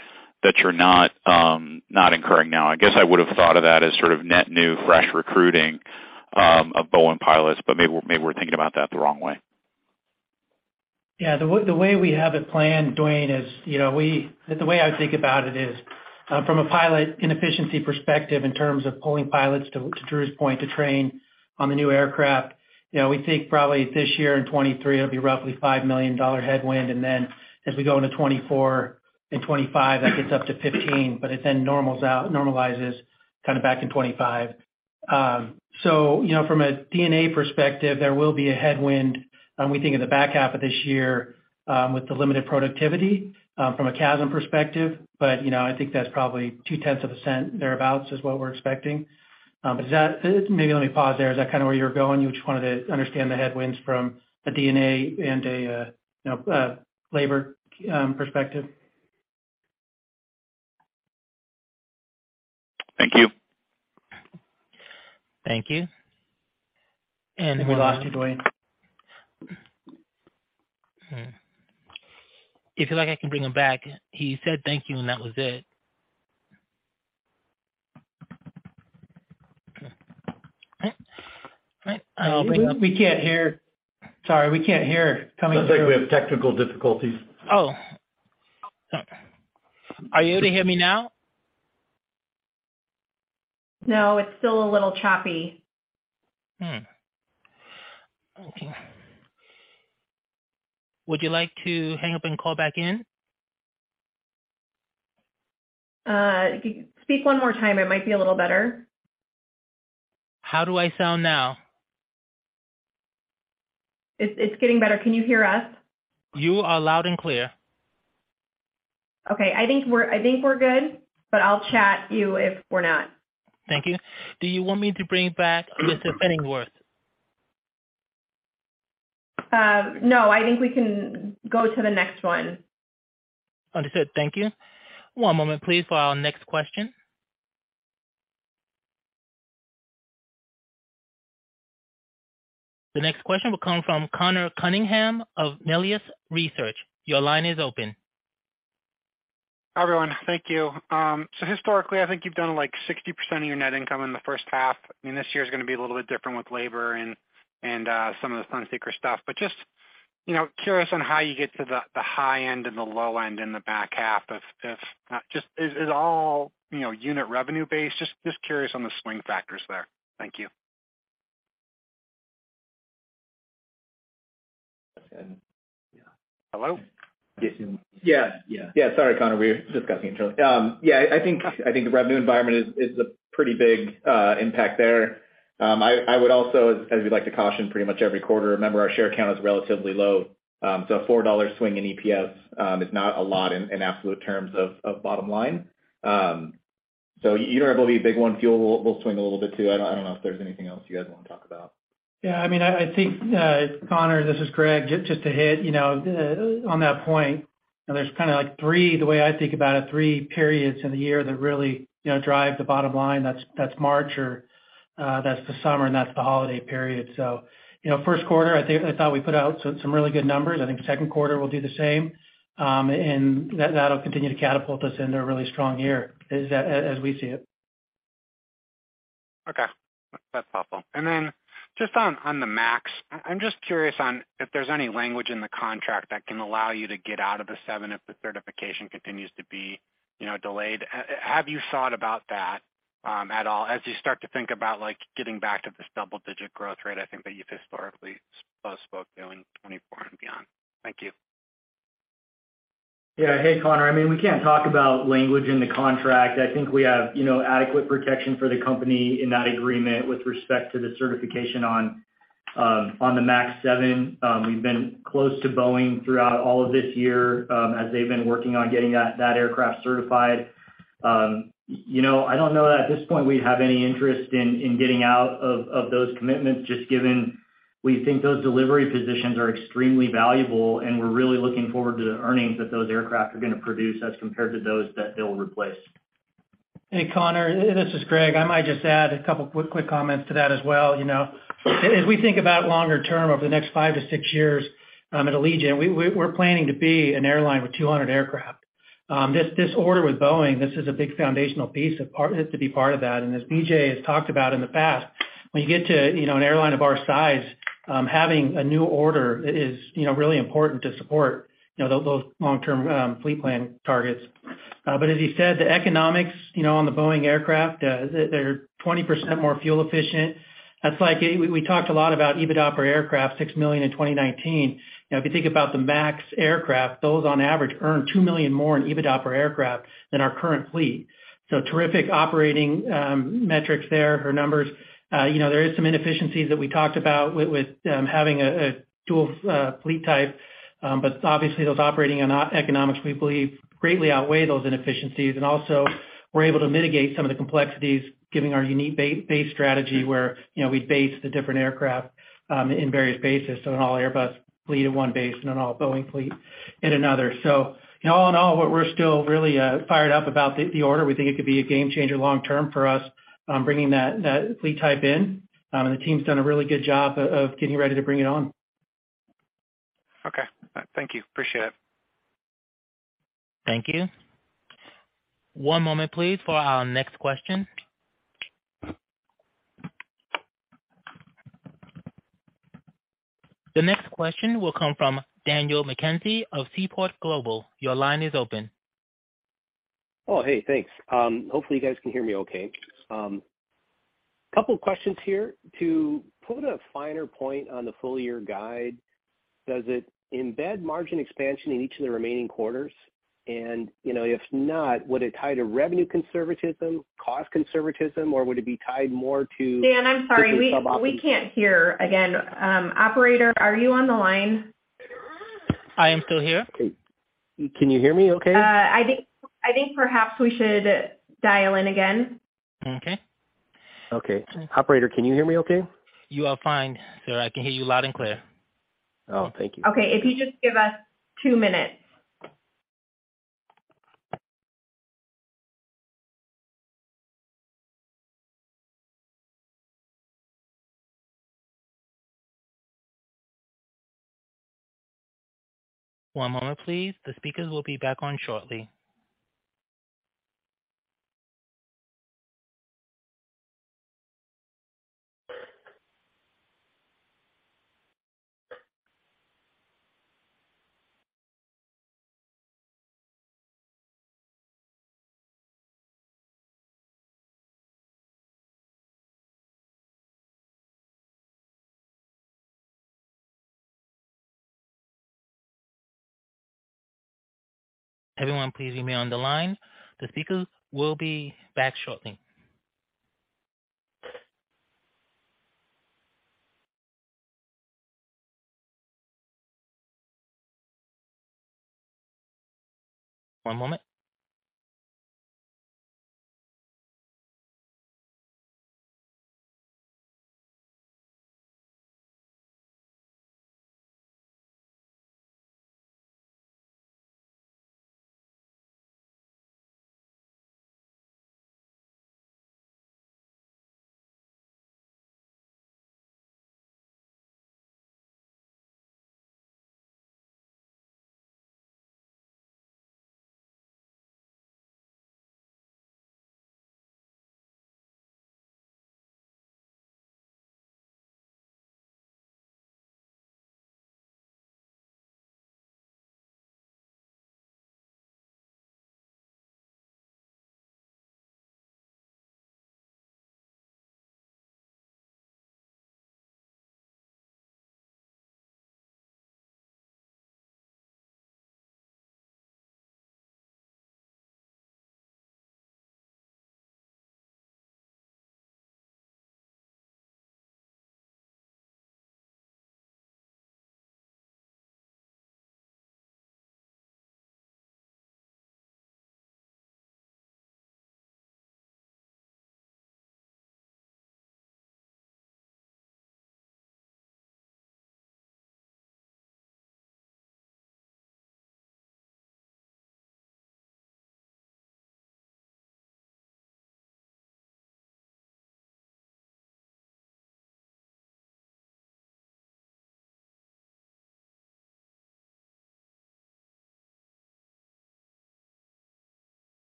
that you're not not incurring now? I guess I would've thought of that as sort of net new fresh recruiting of Boeing pilots, but maybe we're thinking about that the wrong way. Yeah. The way we have it planned, Duane, is, you know, the way I would think about it is from a pilot inefficiency perspective in terms of pulling pilots, to Drew's point, to train on the new aircraft, you know, we think probably this year in 2023, it'll be roughly a $5 million headwind. As we go into 2024 and 2025, that gets up to $15 million, it then normals out, normalizes kind of back in 2025. You know, from a D&A perspective, there will be a headwind, we think in the back half of this year, with the limited productivity, from a CASM perspective. You know, I think that's probably $0.002 thereabouts is what we're expecting. Maybe let me pause there. Is that kind of where you're going? You just wanted to understand the headwinds from a D&A and a, you know, labor, perspective? Thank you. Thank you. We lost Duane. If you like, I can bring him back. He said thank you, and that was it. Okay. All right. We can't hear. Sorry, we can't hear coming through. Looks like we have technical difficulties. Oh. Are you able to hear me now? No, it's still a little choppy. Okay. Would you like to hang up and call back in? If you speak one more time, it might be a little better. How do I sound now? It's getting better. Can you hear us? You are loud and clear. Okay. I think we're good. I'll chat you if we're not. Thank you. Do you want me to bring back Mr. Pfennigwerth? No, I think we can go to the next one. Understood. Thank you. One moment please, for our next question. The next question will come from Conor Cunningham of Melius Research. Your line is open. Hi, everyone. Thank you. Historically, I think you've done, like, 60% of your net income in the first half. This year is gonna be a little bit different with labor and some of the Sunseeker stuff, just, you know, curious on how you get to the high end and the low end in the back half. If just is all, you know, unit revenue based? Just curious on the swing factors there. Thank you. Yeah. Hello? Yeah. Yeah. Sorry, Conor. We were discussing each other. Yeah, I think the revenue environment is a pretty big impact there. I would also, as we'd like to caution pretty much every quarter, remember our share count is relatively low. A $4 swing in EPS is not a lot in absolute terms of bottom line. Year-over-year, big one fuel will swing a little bit, too. I don't know if there's anything else you guys wanna talk about. I mean, I think, Conor, this is Greg. Just to hit, you know, on that point, there's kind of like three, the way I think about it, three periods in the year that really, you know, drive the bottom line. That's March or, that's the summer, and that's the holiday period. You know, first quarter, I thought we put out some really good numbers. I think second quarter will do the same, and that'll continue to catapult us into a really strong year as we see it. Okay. That's helpful. Just on the MAX 7, I'm just curious on if there's any language in the contract that can allow you to get out of the 7 if the certification continues to be, you know, delayed. Have you thought about that, at all as you start to think about, like, getting back to this double digit growth rate I think that you historically spoke to in 2024 and beyond? Thank you. Yeah. Hey, Conor. I mean, we can't talk about language in the contract. I think we have, you know, adequate protection for the company in that agreement with respect to the certification on the MAX 7. We've been close to Boeing throughout all of this year, as they've been working on getting that aircraft certified. You know, I don't know that at this point we'd have any interest in getting out of those commitments, just given we think those delivery positions are extremely valuable, and we're really looking forward to the earnings that those aircraft are gonna produce as compared to those that they'll replace. Hey, Conor, this is Greg. I might just add a couple quick comments to that as well. You know, as we think about longer term over the next five to six years, at Allegiant, we're planning to be an airline with 200 aircraft. This order with Boeing, this is a big foundational piece to be part of that. As BJ has talked about in the past, when you get to, you know, an airline of our size, having a new order is, you know, really important to support, you know, those long-term fleet plan targets. As he said, the economics, you know, on the Boeing aircraft, they're 20% more fuel efficient. That's like we talked a lot about EBITDA per aircraft, $6 million in 2019. You know, if you think about the MAX aircraft, those on average earn $2 million more in EBITDA per aircraft than our current fleet. Terrific operating metrics there or numbers. You know, there is some inefficiencies that we talked about with having a dual fleet type. Obviously those operating eco-economics, we believe, greatly outweigh those inefficiencies. Also we're able to mitigate some of the complexities given our unique base strategy where, you know, we base the different aircraft in various bases. An all Airbus fleet at one base and an all Boeing fleet in another. All in all, we're still really fired up about the order. We think it could be a game changer long term for us, bringing that fleet type in. The team's done a really good job of getting ready to bring it on. Okay. Thank you. Appreciate it. Thank you. One moment please for our next question. The next question will come from Daniel McKenzie of Seaport Global. Your line is open. Oh, hey, thanks. Hopefully you guys can hear me okay. Couple questions here. To put a finer point on the full year guide, does it embed margin expansion in each of the remaining quarters? You know, if not, would it tie to revenue conservatism, cost conservatism, or would it be tied more to- Dan, I'm sorry. We can't hear again. Operator, are you on the line? I am still here. Can you hear me okay? I think perhaps we should dial in again. Okay. Okay. Operator, can you hear me okay? You are fine, sir. I can hear you loud and clear. Oh, thank you. Okay. If you just give us two minutes. One moment, please. The speakers will be back on shortly. Everyone, please remain on the line. The speakers will be back shortly. One moment.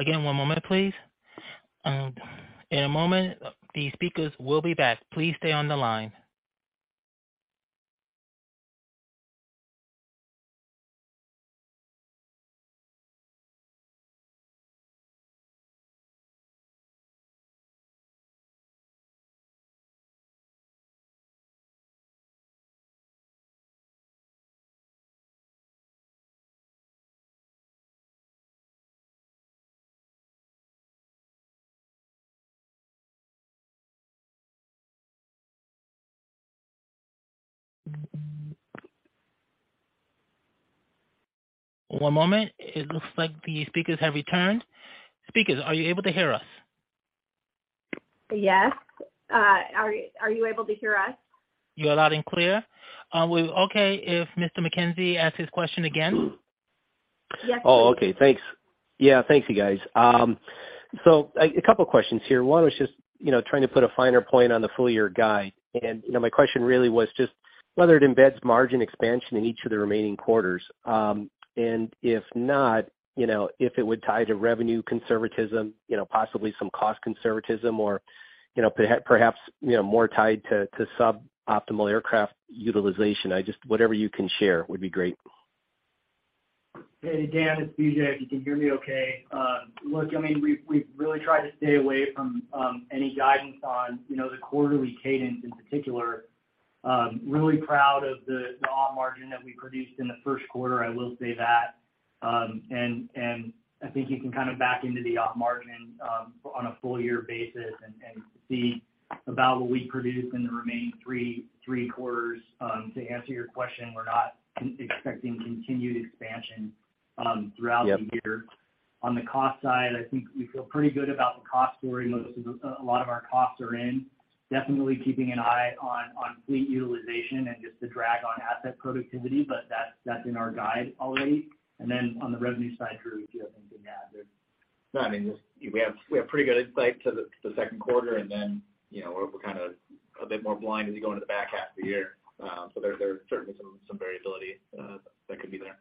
Again, one moment, please. In a moment, the speakers will be back. Please stay on the line. One moment. It looks like the speakers have returned. Speakers, are you able to hear us? Yes. Are you able to hear us? You're loud and clear. Are we okay if Mr. McKenzie asks his question again? Yes, please. Okay. Thanks. Yeah, thank you, guys. A couple of questions here. One was just, you know, trying to put a finer point on the full year guide. My question really was just whether it embeds margin expansion in each of the remaining quarters. If not, you know, if it would tie to revenue conservatism, you know, possibly some cost conservatism or, you know, perhaps, you know, more tied to suboptimal aircraft utilization. Whatever you can share would be great. Hey, Dan, it's BJ, if you can hear me okay. look, I mean, we've really tried to stay away from any guidance on, you know, the quarterly cadence in particular. really proud of the op margin that we produced in the first quarter, I will say that. I think you can kind of back into the op margin on a full year basis and see about what we produce in the remaining three quarters. to answer your question, we're not expecting continued expansion throughout the year. Yep. On the cost side, I think we feel pretty good about the cost story. A lot of our costs are in. Definitely keeping an eye on fleet utilization and just the drag on asset productivity, but that's in our guide already. On the revenue side, Drew, if you have anything to add there. No, I mean, just we have pretty good insight to the second quarter, and then, you know, we're kinda a bit more blind as we go into the back half of the year. There's certainly some variability that could be there.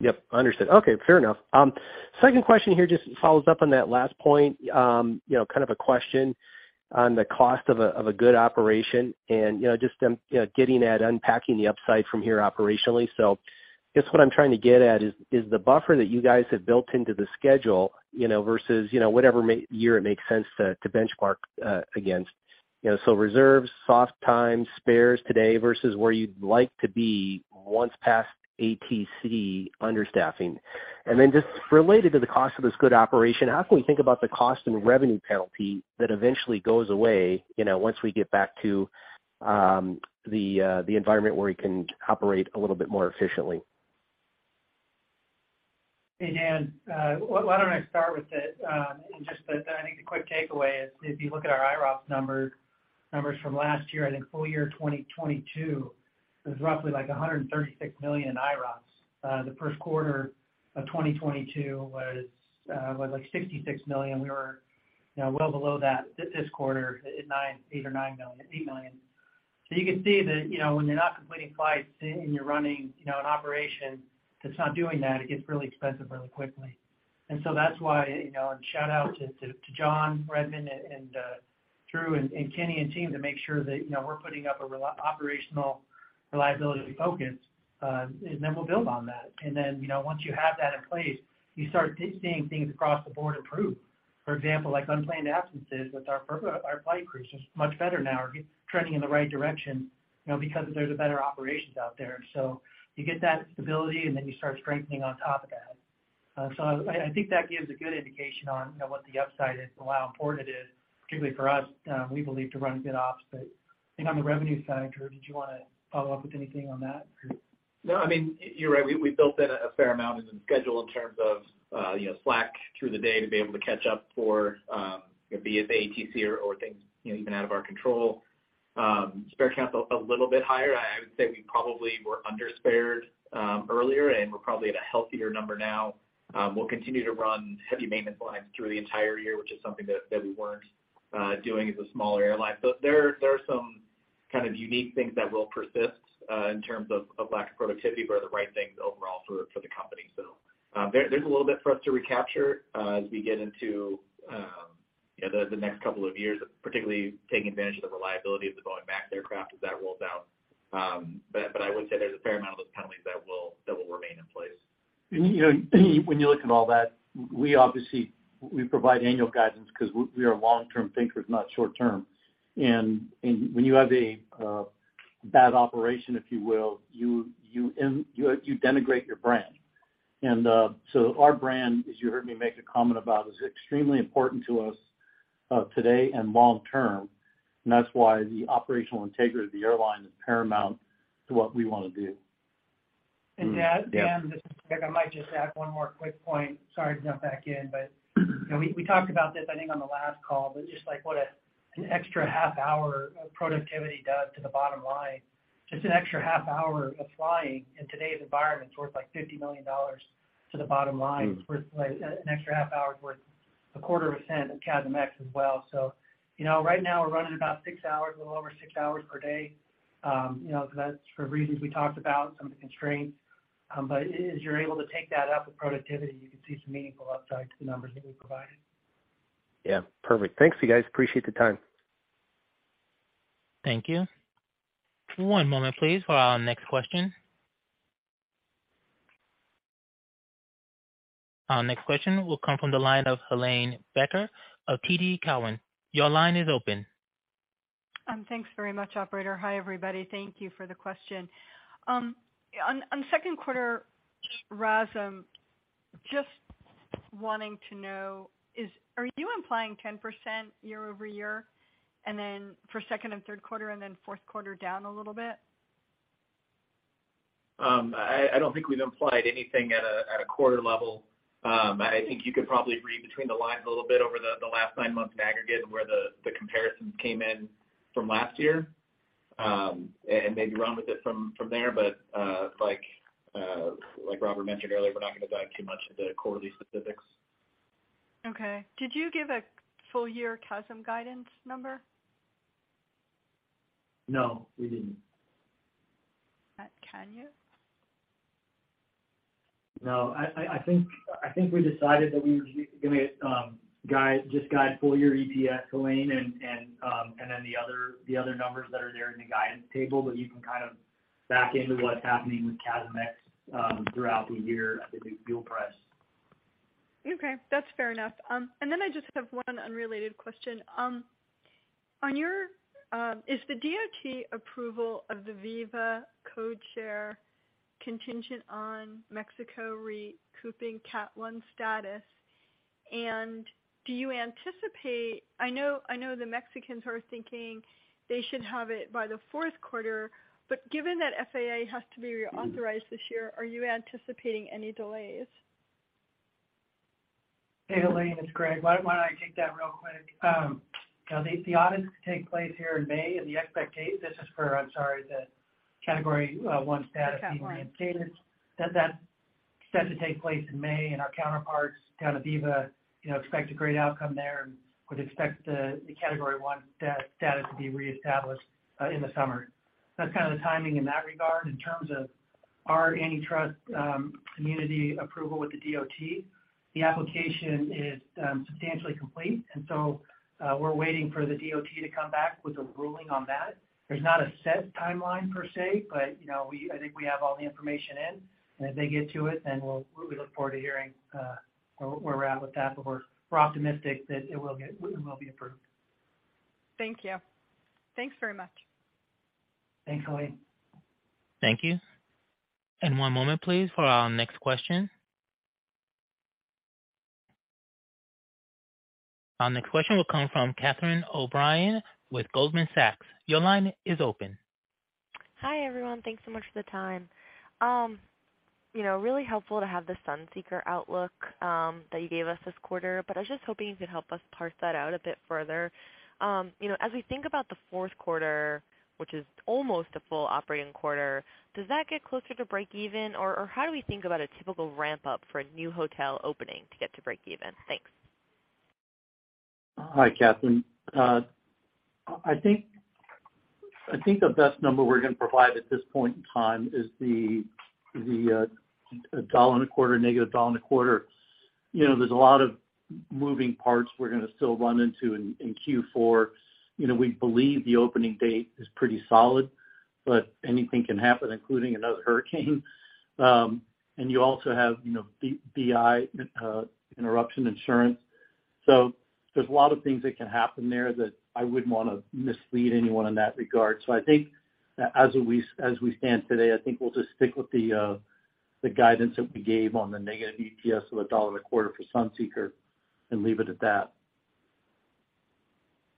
Yep, understood. Okay, fair enough. Second question here just follows up on that last point. You know, kind of a question on the cost of a good operation and, you know, just, you know, getting at unpacking the upside from here operationally. Guess what I'm trying to get at is the buffer that you guys have built into the schedule, you know, versus, you know, whatever year it makes sense to benchmark against. You know, reserves, soft times, spares today versus where you'd like to be once past ATC understaffing. Just related to the cost of this good operation, how can we think about the cost and revenue penalty that eventually goes away, you know, once we get back to the environment where we can operate a little bit more efficiently? Hey, Daniel. Why don't I start with it? I think the quick takeaway is if you look at our IRROPS numbers from last year, I think full year 2022 was roughly like $136 million in IRROPS. The first quarter of 2022 was like $66 million. We were, you know, well below that this quarter at $8 million. You can see that, you know, when you're not completing flights and you're running, you know, an operation that's not doing that, it gets really expensive really quickly. That's why, you know, shout out to John Redmond, Drew, and Keny and team to make sure that, you know, we're putting up operational reliability focus, we'll build on that. You know, once you have that in place, you start seeing things across the board improve. For example, like unplanned absences with our flight crews is much better now. We're trending in the right direction, you know, because there's a better operation out there. You get that stability, and then you start strengthening on top of that. I think that gives a good indication on, you know, what the upside is and how important it is, particularly for us, we believe, to run a good ops. I think on the revenue side, Drew, did you wanna follow up with anything on that or? No. I mean, you're right. We built in a fair amount in the schedule in terms of, you know, slack through the day to be able to catch up for, be it the ATC or things, you know, even out of our control. Spare counts a little bit higher. I would say we probably were under-spared earlier, and we're probably at a healthier number now. We'll continue to run heavy maintenance lines through the entire year, which is something that we weren't doing as a smaller airline. There are some kind of unique things that will persist in terms of lack of productivity, but are the right things overall for the company. There's a little bit for us to recapture, as we get into, you know, the next couple of years, particularly taking advantage of the reliability of the 737 MAX aircraft as that rolls out. But I would say there's a fair amount of those penalties that will remain in place. You know, when you look at all that, we obviously provide annual guidance because we are long-term thinkers, not short-term. When you have a bad operation, if you will, you denigrate your brand. Our brand, as you heard me make a comment about, is extremely important to us today and long term, and that's why the operational integrity of the airline is paramount to what we wanna do. And Dan. Yeah. Just, like I might just add one more quick point. Sorry to jump back in, but, you know, we talked about this, I think, on the last call, but just like what an extra half hour of productivity does to the bottom line. Just an extra half hour of flying in today's environment is worth like $50 million to the bottom line. Worth like an extra half hour is worth a quarter of a cent of CASM ex as well. You know, right now, we're running about six hours, a little over six hours per day. You know, that's for reasons we talked about, some of the constraints. As you're able to take that up with productivity, you can see some meaningful upside to the numbers that we provided. Yeah. Perfect. Thanks you guys. Appreciate the time. Thank you. One moment, please, for our next question. Our next question will come from the line of Helane Becker of TD Cowen. Your line is open. Thanks very much, operator. Hi, everybody. Thank you for the question. On second quarter RASM, just wanting to know, are you implying 10% year-over-year, and then for second and third quarter and then fourth quarter down a little bit? I don't think we've implied anything at a quarter level. I think you could probably read between the lines a little bit over the last nine months in aggregate and where the comparisons came in from last year, and maybe run with it from there. Like Robert mentioned earlier, we're not gonna dive too much into the quarterly specifics. Okay. Did you give a full year CASM guidance number? No, we didn't. Can you? No. I think we decided that we were gonna guide, just guide full year EPS, Helane, and then the other numbers that are there in the guidance table, you can kind of back into what's happening with CASM ex throughout the year with the fuel price. Okay. That's fair enough. Then I just have one unrelated question. On your, is the DOT approval of the Viva codeshare contingent on Mexico recouping Category 1 status? Do you anticipate I know the Mexicans are thinking they should have it by the fourth quarter, but given that FAA has to be reauthorized this year, are you anticipating any delays? Hey, Helane, it's Greg. Why don't I take that real quick? You know, the audits take place here in May, and this is for, I'm sorry, the Category 1 status. The Category 1. Being reinstated. That's set to take place in May, and our counterparts down at Viva, you know, expect a great outcome there and would expect the Category 1 status to be reestablished in the summer. That's kind of the timing in that regard. In terms of our antitrust, Immunity approval with the DOT. The application is substantially complete, and so, we're waiting for the DOT to come back with a ruling on that. There's not a set timeline per se, but, you know, I think we have all the information in, and if they get to it, we look forward to hearing where we're at with that, but we're optimistic that it will be approved. Thank you. Thanks very much. Thanks, Helane. Thank you. One moment, please, for our next question. Our next question will come from Catherine O'Brien with Goldman Sachs. Your line is open. Hi, everyone. Thanks so much for the time. you know, really helpful to have the Sunseeker outlook, that you gave us this quarter, but I was just hoping you could help us parse that out a bit further. you know, as we think about the fourth quarter, which is almost a full operating quarter, does that get closer to break even? How do we think about a typical ramp up for a new hotel opening to get to break even? Thanks. Hi, Catherine. I think the best number we're gonna provide at this point in time is a dollar and a quarter, negative $1.25. You know, there's a lot of moving parts we're gonna still run into in Q4. We believe the opening date is pretty solid, but anything can happen, including another hurricane. You also have, you know, BI interruption insurance. There's a lot of things that can happen there that I wouldn't wanna mislead anyone in that regard. I think as we stand today, I think we'll just stick with the guidance that we gave on the negative EPS of a dollar and a quarter for Sunseeker and leave it at that.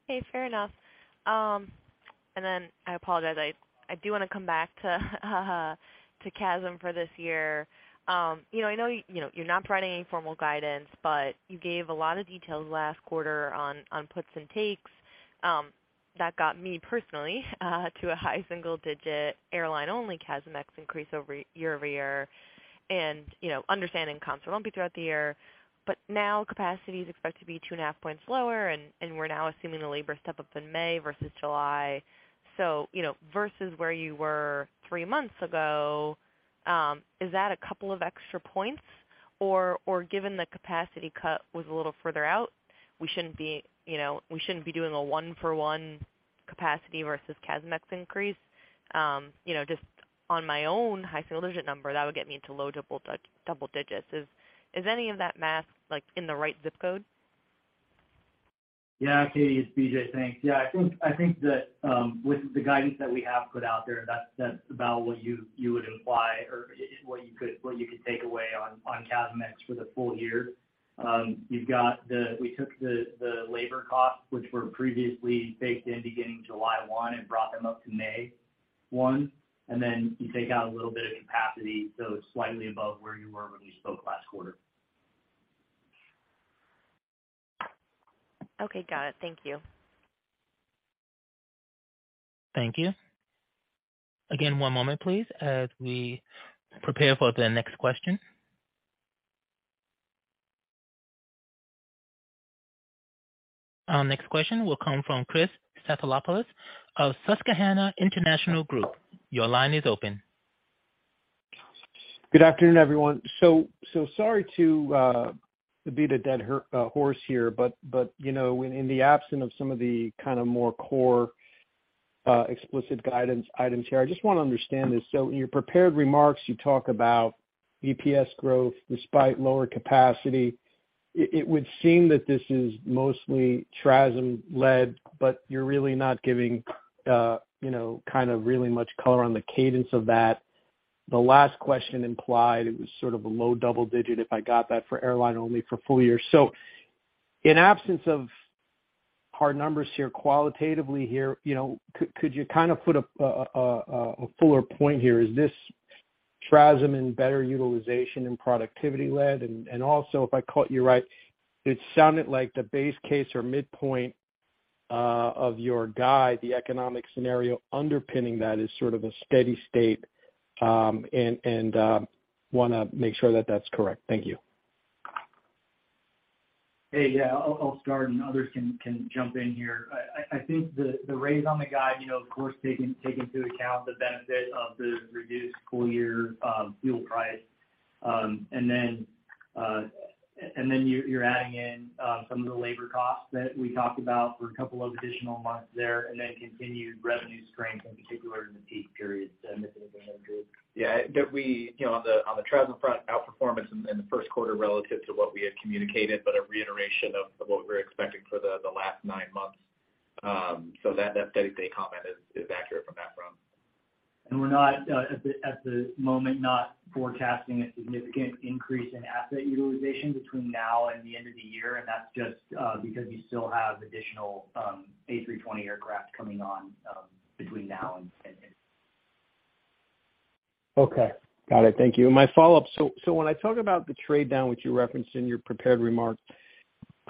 Okay, fair enough. I apologize, I do wanna come back to CASM for this year. You know, I know you're not providing any formal guidance, but you gave a lot of details last quarter on puts and takes. That got me personally to a high single-digit airline-only CASM ex increase over year-over-year and, you know, understanding comp won't be throughout the year, but now capacity is expected to be 2.5 points lower, and we're now assuming the labor step up in May versus July. Versus where you were three months ago, is that a couple of extra points? Or given the capacity cut was a little further out, we shouldn't be doing a one for one capacity versus CASM ex increase? You know, just on my own high single-digit number, that would get me into low double digits. Is any of that math, like, in the right zip code? Cathe, it's BJ. Thanks. I think that with the guidance that we have put out there, that's about what you would imply or what you could take away on CASM ex for the full year. We took the labor costs, which were previously baked in beginning July 1, and brought them up to May 1, and then you take out a little bit of capacity, so it's slightly above where you were when we spoke last quarter. Okay. Got it. Thank you. Thank you. Again, one moment please as we prepare for the next question. Our next question will come from Christopher Stathoulopoulos of Susquehanna International Group. Your line is open. Good afternoon, everyone. Sorry to beat a dead horse here, but, you know, in the absence of some of the kind of more core, explicit guidance items here, I just wanna understand this. In your prepared remarks, you talk about EPS growth despite lower capacity. It would seem that this is mostly TRASM-led, but you're really not giving, you know, kind of really much color on the cadence of that. The last question implied it was sort of a low double digit, if I got that for airline only for full year. In absence of hard numbers here qualitatively here, you know, could you kind of put a fuller point here? Is this TRASM and better utilization and productivity-led? Also, if I caught you right, it sounded like the base case or midpoint of your guide, the economic scenario underpinning that is sort of a steady state. Wanna make sure that that's correct. Thank you. Hey. Yeah, I'll start and others can jump in here. I think the raise on the guide, you know, of course, taking into account the benefit of the reduced full year fuel price. Then you're adding in some of the labor costs that we talked about for a couple of additional months there, and then continued revenue strength, in particular in the peak periods, and this has been good. Yeah. That we, you know, on the TRASM front, outperformance in the first quarter relative to what we had communicated, but a reiteration of what we're expecting for the last nine months. That steady state comment is accurate from that front. We're not, at the moment, not forecasting a significant increase in asset utilization between now and the end of the year. That's just because you still have additional A320 aircraft coming on between now and then. Okay. Got it. Thank you. My follow-up: So when I talk about the trade-down, which you referenced in your prepared remarks,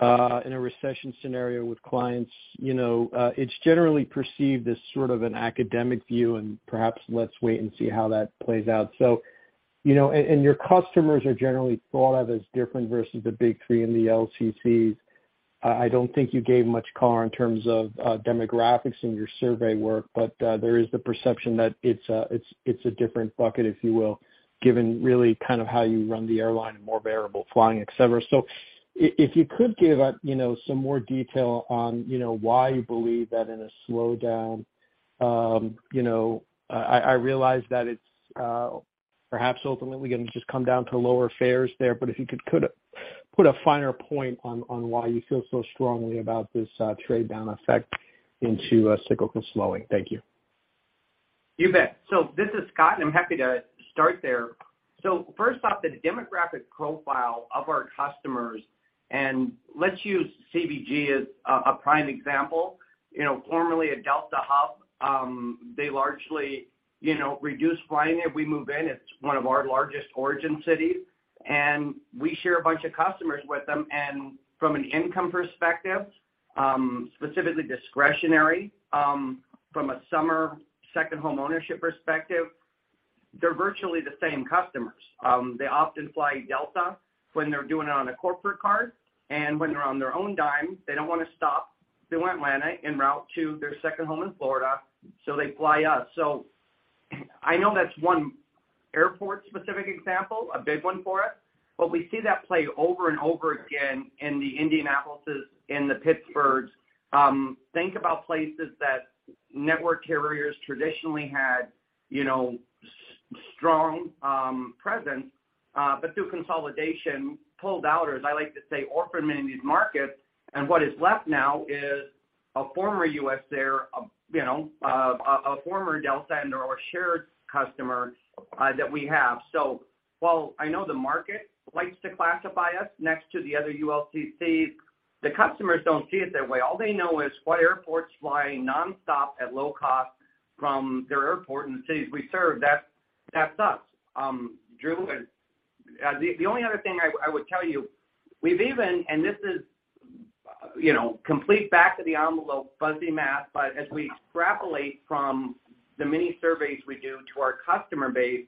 in a recession scenario with clients, you know, it's generally perceived as sort of an academic view and perhaps let's wait and see how that plays out. You know, your customers are generally thought of as different versus the big three in the LCCs. I don't think you gave much color in terms of demographics in your survey work, but there is the perception that it's a different bucket, if you will, given really kind of how you run the airline and more variable flying, et cetera. If you could give up, you know, some more detail on, you know, why you believe that in a slowdown, you know, I realize that it's perhaps ultimately gonna just come down to lower fares there, but if you could put a finer point on why you feel so strongly about this trade-down effect into a cyclical slowing? Thank you. You bet. This is Scott, and I'm happy to start there. First off, the demographic profile of our customers, and let's use CVG as a prime example. You know, formerly a Delta hub, they largely, you know, reduced flying here. We move in, it's one of our largest origin cities, and we share a bunch of customers with them. From an income perspective, specifically discretionary, from a summer second homeownership perspective, they're virtually the same customers. They often fly Delta when they're doing it on a corporate card. When they're on their own dime, they don't wanna stop through Atlanta en route to their second home in Florida, so they fly us. I know that's one airport-specific example, a big one for us, but we see that play over and over again in the Indianapolis, in the Pittsburgh. Think about places that network carriers traditionally had, you know, strong presence, but through consolidation, pulled out, or as I like to say, orphaned many of these markets. What is left now is a former US Airways, you know, a former Delta and/or a shared customer that we have. While I know the market likes to classify us next to the other ULCCs, the customers don't see it that way. All they know is what airports flying nonstop at low cost from their airport in the cities we serve, that's us. The only other thing I would tell you, we've even—this is, you know, complete back of the envelope fuzzy math, but as we extrapolate from the mini-surveys we do to our customer base,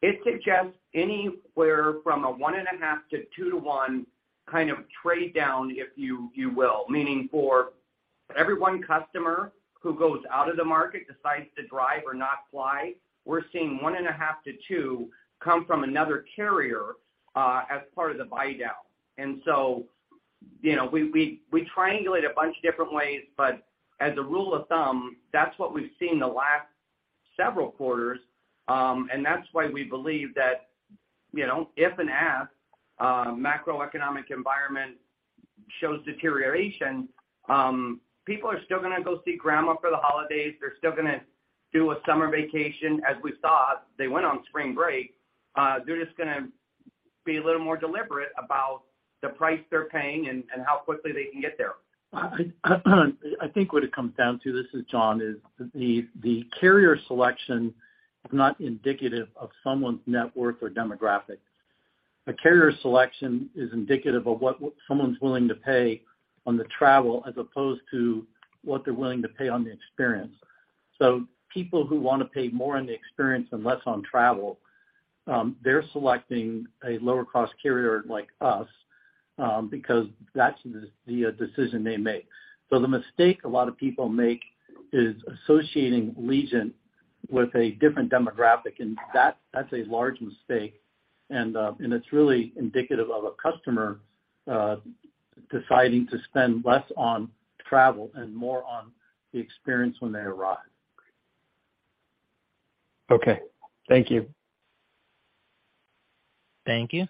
it suggests anywhere from a 1.5 to 2 to 1 kind of trade-down, if you will. Meaning for every one customer who goes out of the market, decides to drive or not fly, we're seeing 1.5 to 2 come from another carrier as part of the buy-down. You know, we triangulate a bunch of different ways, but as a rule of thumb, that's what we've seen the last several quarters. That's why we believe that, you know, if and as macroeconomic environment shows deterioration, people are still gonna go see grandma for the holidays. They're still gonna do a summer vacation as we saw. They went on spring break. They're just gonna be a little more deliberate about the price they're paying and how quickly they can get there. I think what it comes down to, this is John, is the carrier selection is not indicative of someone's net worth or demographic. A carrier selection is indicative of what someone's willing to pay on the travel as opposed to what they're willing to pay on the experience. People who wanna pay more on the experience and less on travel, they're selecting a lower cost carrier like us, because that's the decision they make. The mistake a lot of people make is associating Allegiant with a different demographic, and that's a large mistake. It's really indicative of a customer deciding to spend less on travel and more on the experience when they arrive. Okay. Thank you. Thank you.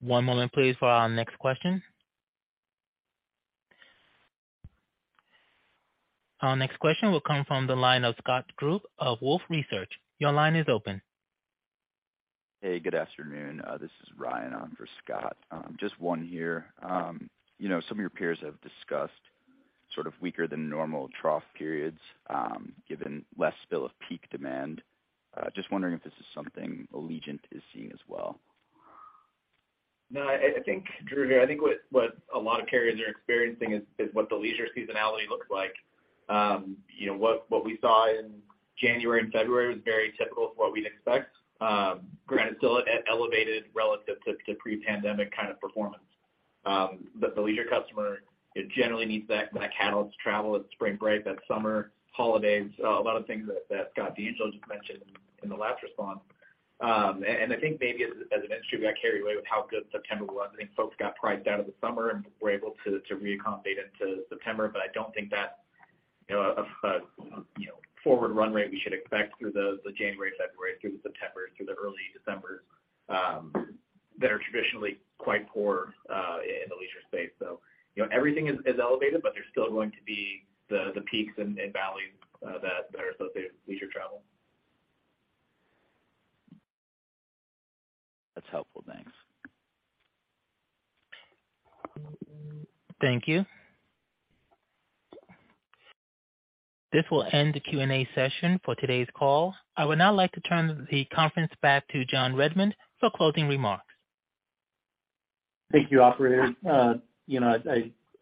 One moment please for our next question. Our next question will come from the line of Scott Group of Wolfe Research. Your line is open. Hey, good afternoon. This is Ryan on for Scott. Just one here. You know, some of your peers have discussed sort of weaker than normal trough periods, given less spill of peak demand. Just wondering if this is something Allegiant is seeing as well. No, Drew here. I think what a lot of carriers are experiencing is what the leisure seasonality looks like. You know, what we saw in January and February was very typical to what we'd expect, granted still at elevated relative to pre-pandemic kind of performance. The leisure customer, it generally needs that catalyst to travel. It's spring break, that summer holidays, a lot of things that Scott DeAngelo just mentioned in the last response. I think maybe as an industry, we got carried away with how good September was. I think folks got priced out of the summer and were able to reaccommodate into September. I don't think that, you know, forward run rate we should expect through the January, February, through September, through the early December that are traditionally quite poor in the leisure space. You know, everything is elevated, but there's still going to be the peaks and valleys that are associated with leisure travel. That's helpful. Thanks. Thank you. This will end the Q&A session for today's call. I would now like to turn the conference back to John Redmond for closing remarks. Thank you, operator. You know,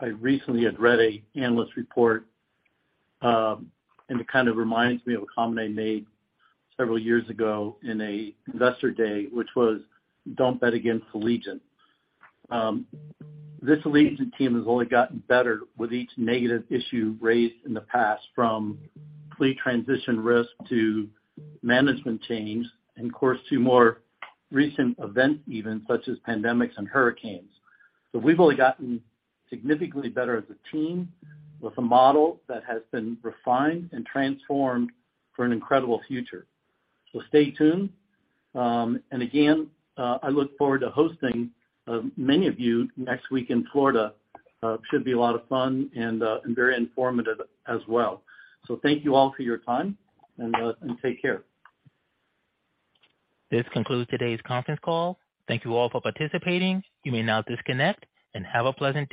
I recently had read an analyst report, and it kind of reminds me of a comment I made several years ago in an Investor Day, which was, "Don't bet against Allegiant." This Allegiant team has only gotten better with each negative issue raised in the past, from fleet transition risk to management changes, and of course, to more recent events even such as pandemic and hurricanes. We've only gotten significantly better as a team with a model that has been refined and transformed for an incredible future. Stay tuned. And again, I look forward to hosting many of you next week in Florida. Should be a lot of fun and very informative as well. Thank you all for your time and take care. This concludes today's conference call. Thank you all for participating. You may now disconnect and have a pleasant day.